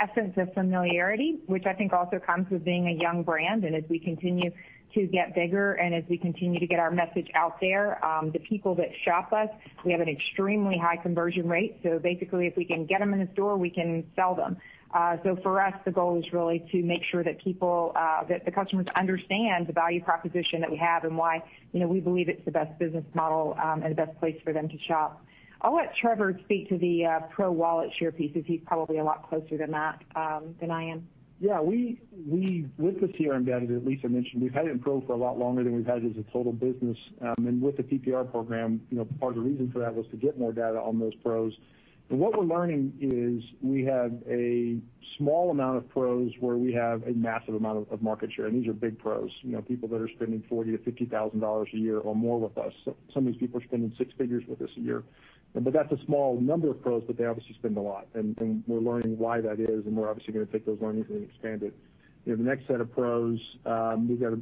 essence of familiarity, which I think also comes with being a young brand. As we continue to get bigger and as we continue to get our message out there, the people that shop us, we have an extremely high conversion rate. Basically, if we can get them in a store, we can sell them. For us, the goal is really to make sure that people, that the customers understand the value proposition that we have and why, you know, we believe it's the best business model and the best place for them to shop. I'll let Trevor speak to the Pro wallet share piece, as he's probably a lot closer to that than I am. With the CRM data that Lisa mentioned, we've had it in Pro for a lot longer than we've had it as a total business. With the PPR program, you know, part of the reason for that was to get more data on those Pros. What we're learning is we have a small amount of Pros where we have a massive amount of market share, and these are big Pros. You know, people that are spending $40,000-$50,000 a year or more with us. Some of these people are spending six figures with us a year. That's a small number of Pros, but they obviously spend a lot. We're learning why that is, and we're obviously gonna take those learnings and expand it. You know, the next set of Pros, we've got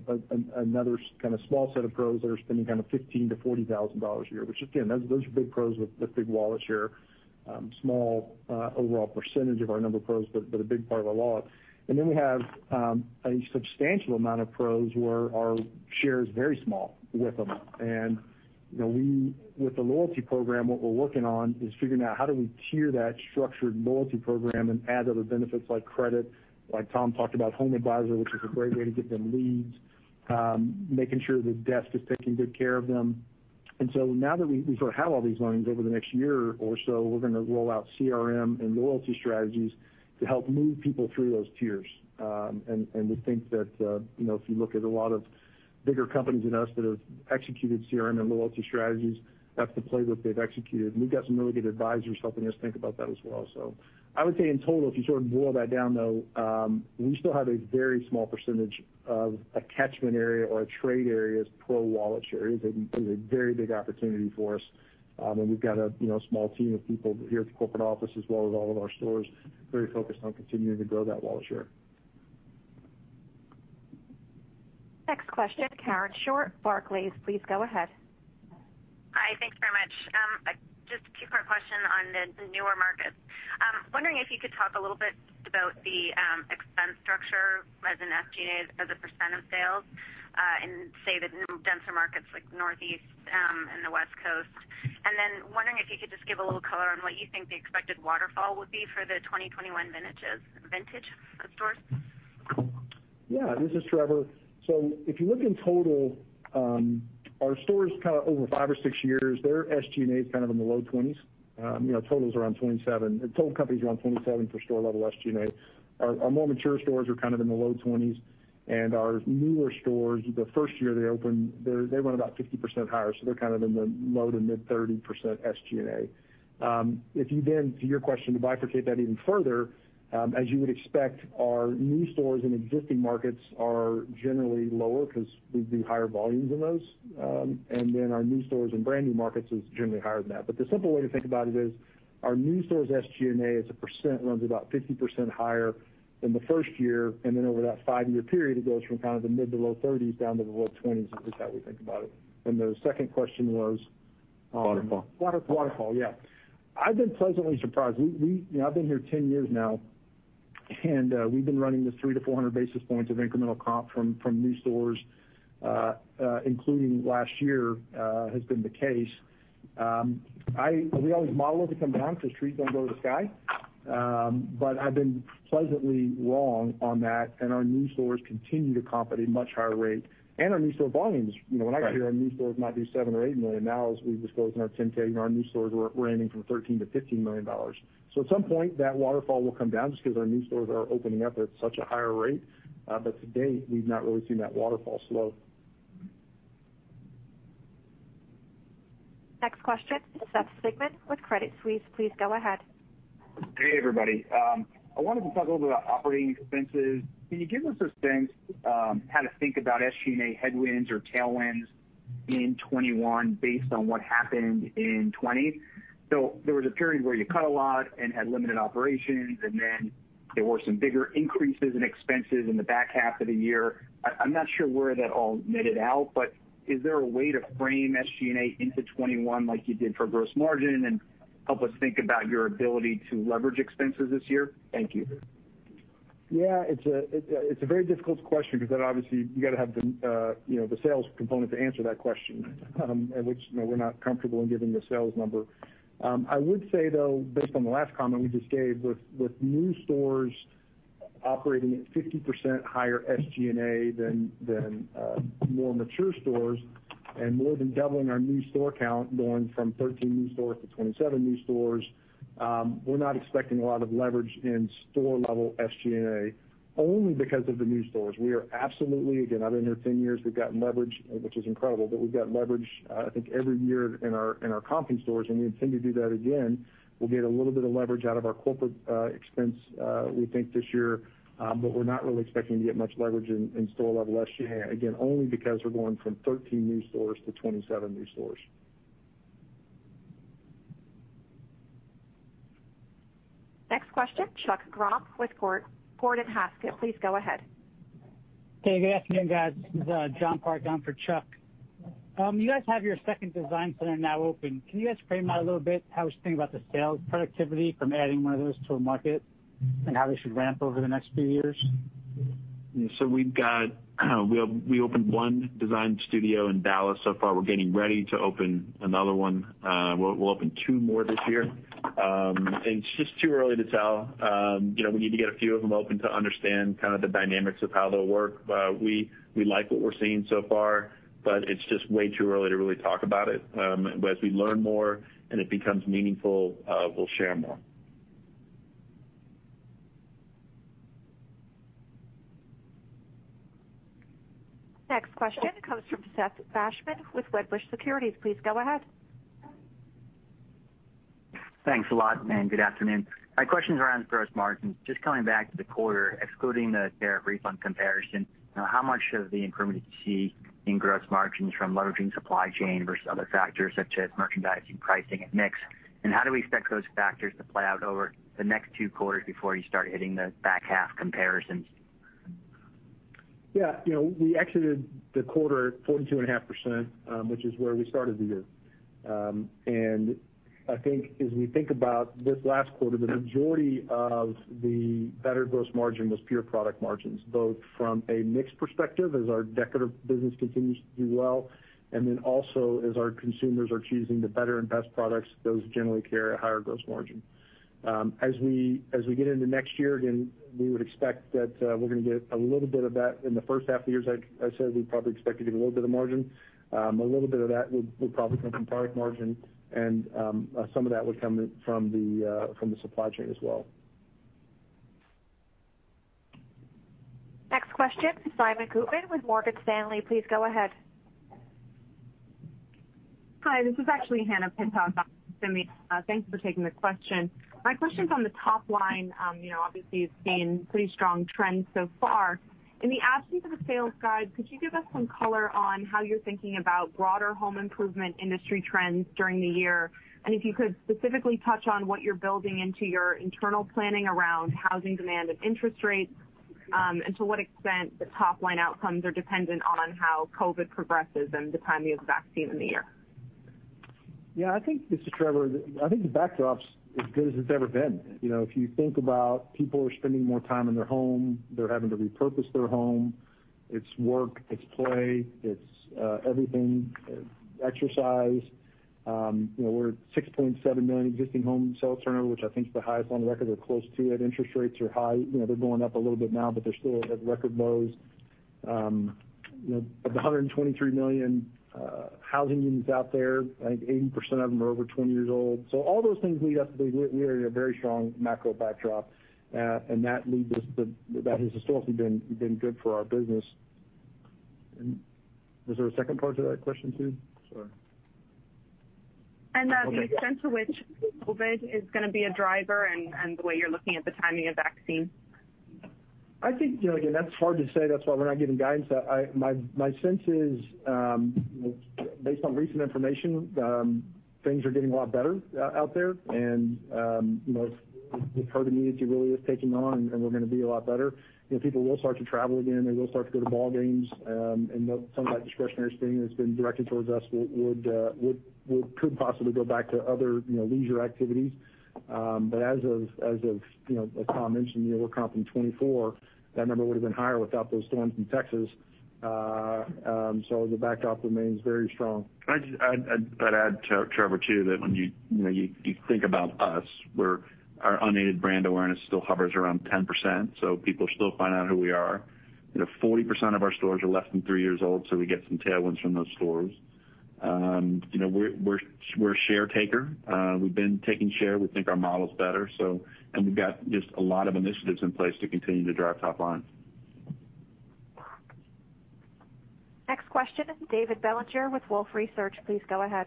another kinda small set of Pros that are spending kind of $15,000-$40,000 a year, which again, those are big Pros with big wallet share. Small overall percentage of our number of Pros, but a big part of our loss. We have a substantial amount of Pros where our share is very small with them. You know, we, with the loyalty program, what we're working on is figuring out how do we tier that structured loyalty program and add other benefits like credit, like Tom talked about HomeAdvisor, which is a great way to get them leads, making sure the desk is taking good care of them. Now that we sort of have all these learnings, over the next year or so, we're gonna roll out CRM and loyalty strategies to help move people through those tiers. And we think that, you know, if you look at a lot of bigger companies than us that have executed CRM and loyalty strategies, that's the playbook they've executed. We've got some really good advisors helping us think about that as well. I would say in total, if you sort of boil that down, though, we still have a very small percentage of a catchment area or a trade area's Pro wallet share. It is a very big opportunity for us. We've got a, you know, small team of people here at the corporate office as well as all of our stores very focused on continuing to grow that wallet share. Next question, Karen Short, Barclays, please go ahead. Hi. Thanks very much. Just a two-part question on the newer markets. Wondering if you could talk a little bit about the expense structure as an SG&A as a % of sales, in, say, the new denser markets like Northeast, and the West Coast. Then wondering if you could just give a little color on what you think the expected waterfall would be for the 2021 vintage of stores. Yeah. This is Trevor. If you look in total, our stores kind of over five or six years, their SG&A is kind of in the low 20s. You know, total is around 27. The total company is around 27 for store level SG&A. Our more mature stores are kind of in the low 20s, and our newer stores, the first year they open, they run about 50% higher, so they're kind of in the low to mid-30% SG&A. If you then, to your question, to bifurcate that even further, as you would expect, our new stores in existing markets are generally lower because we do higher volumes in those. Our new stores in brand-new markets is generally higher than that. The simple way to think about it is our new stores SG&A as a percent runs about 50% higher than the first year, and then over that five year period, it goes from kind of the mid-to low-30s down to the low 20s is just how we think about it. The second question was, Waterfall. Waterfall, yeah. I've been pleasantly surprised. We You know, I've been here 10 years now, and we've been running this 300 to 400 basis points of incremental comp from new stores, including last year, has been the case. We always model it to come down because trees don't grow to the sky. I've been pleasantly wrong on that, and our new stores continue to comp at a much higher rate. Our new store volumes, you know, when I say our new stores might do $7 million or $8 million now as we disclose in our 10-K, and our new stores were ranging from $13 million-$15 million. At some point, that waterfall will come down just because our new stores are opening up at such a higher rate. To date, we've not really seen that waterfall slow. Next question, Seth Sigman with Credit Suisse, please go ahead. Hey, everybody. I wanted to talk a little about operating expenses. Can you give us a sense, how to think about SG&A headwinds or tailwinds in 2021 based on what happened in 2020? There was a period where you cut a lot and had limited operations, and then there were some bigger increases in expenses in the back half of the year. I'm not sure where that all netted out, but is there a way to frame SG&A into 2021 like you did for gross margin and help us think about your ability to leverage expenses this year? Thank you. Yeah, it's a, it's a, it's a very difficult question because obviously you got to have the, you know, the sales component to answer that question, which, you know, we're not comfortable in giving the sales number. I would say, though, based on the last comment we just gave, with new stores operating at 50% higher SG&A than more mature stores and more than doubling our new store count, going from 13 new stores to 27 new stores. We're not expecting a lot of leverage in store-level SG&A only because of the new stores. We are absolutely, again, I've been here 10 years, we've gotten leverage, which is incredible, but we've got leverage, I think every year in our comping stores, we intend to do that again. We'll get a little bit of leverage out of our corporate expense, we think this year, but we're not really expecting to get much leverage in store-level SG&A, again, only because we're going from 13 new stores to 27 new stores. Next question, Chuck Grom with Gordon Haskett. Please go ahead. Hey, good afternoon, guys. This is, John Park down for Chuck. You guys have your second design center now open. Can you guys frame out a little bit how we should think about the sales productivity from adding one of those to a market and how they should ramp over the next few years? We've got we opened one design studio in Dallas so far. We're getting ready to open another one. We'll open two more this year. It's just too early to tell. You know, we need to get a few of them open to understand kind of the dynamics of how they'll work. We like what we're seeing so far, but it's just way too early to really talk about it. As we learn more and it becomes meaningful, we'll share more. Next question comes from Seth Basham with Wedbush Securities. Please go ahead. Thanks a lot, and good afternoon. My question's around gross margins. Just coming back to the quarter, excluding the tariff refund comparison, you know, how much of the improvement do you see in gross margins from leveraging supply chain versus other factors such as merchandising, pricing, and mix? How do we expect those factors to play out over the next two quarters before you start hitting the back half comparisons? Yeah. You know, we exited the quarter at 42.5%, which is where we started the year. I think as we think about this last quarter, the majority of the better gross margin was pure product margins, both from a mix perspective as our decorative business continues to do well, and then also as our consumers are choosing the better and best products, those generally carry a higher gross margin. As we get into next year, again, we would expect that we're gonna get a little bit of that in the first half of the year. As I said, we probably expect to get a little bit of margin. A little bit of that will probably come from product margin and some of that would come from the supply chain as well. Next question, Simeon Gutman with Morgan Stanley. Please go ahead. Hi, this is actually Hannah Pittock. Okay. Thanks for taking the question. My question's on the top line. You know, obviously you've seen pretty strong trends so far. In the absence of a sales guide, could you give us some color on how you're thinking about broader home improvement industry trends during the year? If you could specifically touch on what you're building into your internal planning around housing demand and interest rates, and to what extent the top-line outcomes are dependent on how COVID progresses and the timing of vaccine in the year. Yeah, I think, this is Trevor. I think the backdrop's as good as it's ever been. You know, if you think about people are spending more time in their home, they're having to repurpose their home. It's work, it's play, it's everything, exercise. You know, we're at 6.7 million existing home sales turnover, which I think is the highest on the record or close to it. Interest rates are high. You know, they're going up a little bit now, but they're still at record lows. You know, of the 123 million housing units out there, I think 80% of them are over 20 years old. All those things, we are in a very strong macro backdrop. That has historically been good for our business. Was there a second part to that question, too? Sorry. And, uh- Oh, yeah. Go ahead. the extent to which COVID is gonna be a driver and the way you're looking at the timing of vaccine. I think, you know, again, that's hard to say. That's why we're not giving guidance. My sense is, based on recent information, things are getting a lot better out there. You know, the herd immunity really is taking on, and we're gonna be a lot better. You know, people will start to travel again. They will start to go to ball games. Some of that discretionary spending that's been directed towards us could possibly go back to other, you know, leisure activities. As of, you know, as Tom mentioned, you know, we're comping 24. That number would have been higher without those storms in Texas. The backdrop remains very strong. I'd add, Trevor, too, that when you know, you think about us, our unaided brand awareness still hovers around 10%, so people are still finding out who we are. You know, 40% of our stores are less than three years old, so we get some tailwinds from those stores. You know, we're a share taker. We've been taking share. We think our model's better, and we've got just a lot of initiatives in place to continue to drive top line. Next question, David Bellinger with Wolfe Research. Please go ahead.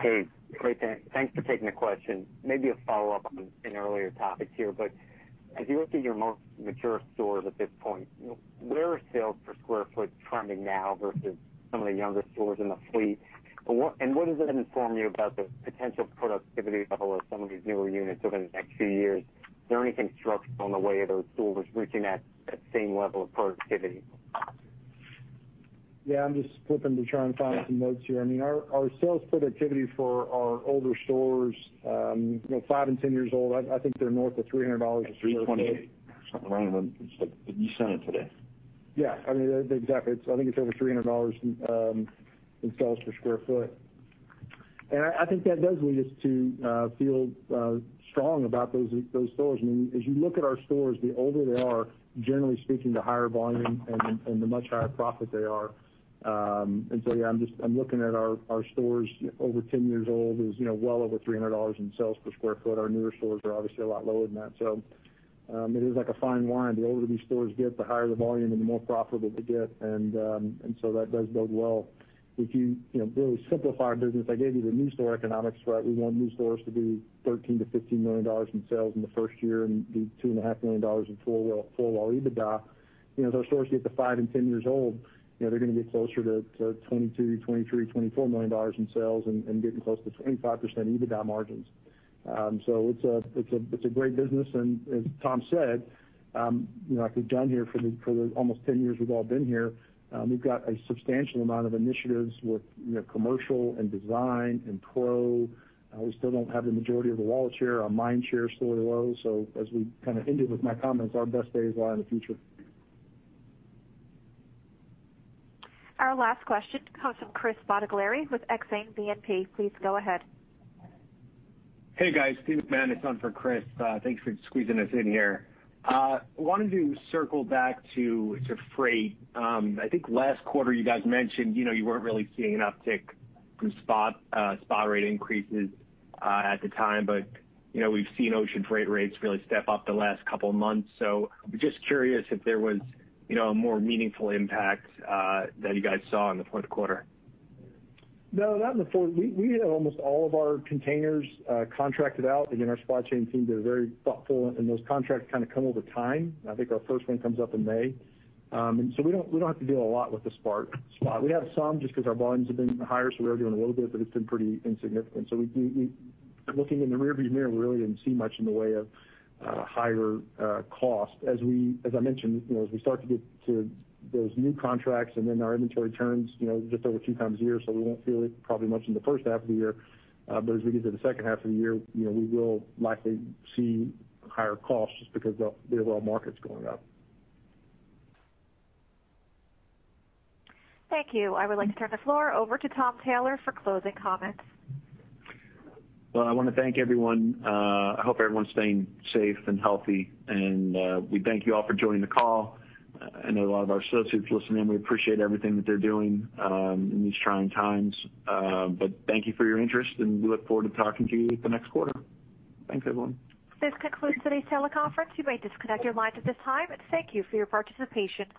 Hey. Great, thanks for taking the question. Maybe a follow-up on an earlier topic here. As you look at your most mature stores at this point, you know, where are sales per square foot trending now versus some of the younger stores in the fleet? What does that inform you about the potential productivity level of some of these newer units over the next few years? Is there any constraint on the way those stores reaching that same level of productivity? Yeah, I'm just flipping to try and find some notes here. I mean, our sales productivity for our older stores, you know, five and 10 years old, I think they're north of $300. 328. Something around them. It's like You sent it today. Yeah. I mean, exactly. I think it's over $300 in sales per square foot. I think that does lead us to feel strong about those stores. I mean, as you look at our stores, the older they are, generally speaking, the higher volume and the much higher profit they are. Yeah, I'm just looking at our stores over 10 years old is, you know, well over $300 in sales per square foot. Our newer stores are obviously a lot lower than that. It is like a fine wine. The older these stores get, the higher the volume and the more profitable they get. That does bode well. If you know, really simplify our business, I gave you the new store economics, right? We want new stores to do $13 million-$15 million in sales in the first year and do two and a half million dollars in full wall EBITDA. You know, as our stores get to five and 10 years old, you know, they're gonna get closer to $22 million, $23 million, $24 million in sales and getting close to 25% EBITDA margins. So it's a, it's a, it's a great business, and as Tom said, you know, like we've done here for the almost 10 years we've all been here, we've got a substantial amount of initiatives with, you know, commercial and design and pro. We still don't have the majority of the wallet share. Our mind share is still low. As we kind of ended with my comments, our best days lie in the future. Our last question comes from Chris Bottiglieri with Exane BNP. Please go ahead. Hey, guys. Madison for Chris. Thanks for squeezing us in here. Wanted to circle back to freight. I think last quarter you guys mentioned, you know, you weren't really seeing an uptick from spot spot rate increases at the time. You know, we've seen ocean freight rates really step up the last couple of months. Just curious if there was, you know, a more meaningful impact that you guys saw in the fourth quarter. No, not in the fourth. We had almost all of our containers contracted out. Again, our supply chain team, they're very thoughtful, and those contracts kinda come over time. I think our first one comes up in May. We don't, we don't have to deal a lot with the spot. We have some just 'cause our volumes have been higher, so we are doing a little bit, but it's been pretty insignificant. Looking in the rearview mirror, we really didn't see much in the way of higher cost. As I mentioned, you know, as we start to get to those new contracts and then our inventory turns, you know, just over two times a year, so we won't feel it probably much in the first half of the year. As we get to the second half of the year, you know, we will likely see higher costs just because the raw market's going up. Thank you. I would like to turn the floor over to Tom Taylor for closing comments. Well, I wanna thank everyone. I hope everyone's staying safe and healthy, we thank you all for joining the call. I know a lot of our associates listen in. We appreciate everything that they're doing in these trying times. Thank you for your interest, we look forward to talking to you the next quarter. Thanks, everyone. This concludes today's teleconference. You may disconnect your lines at this time, and thank you for your participation.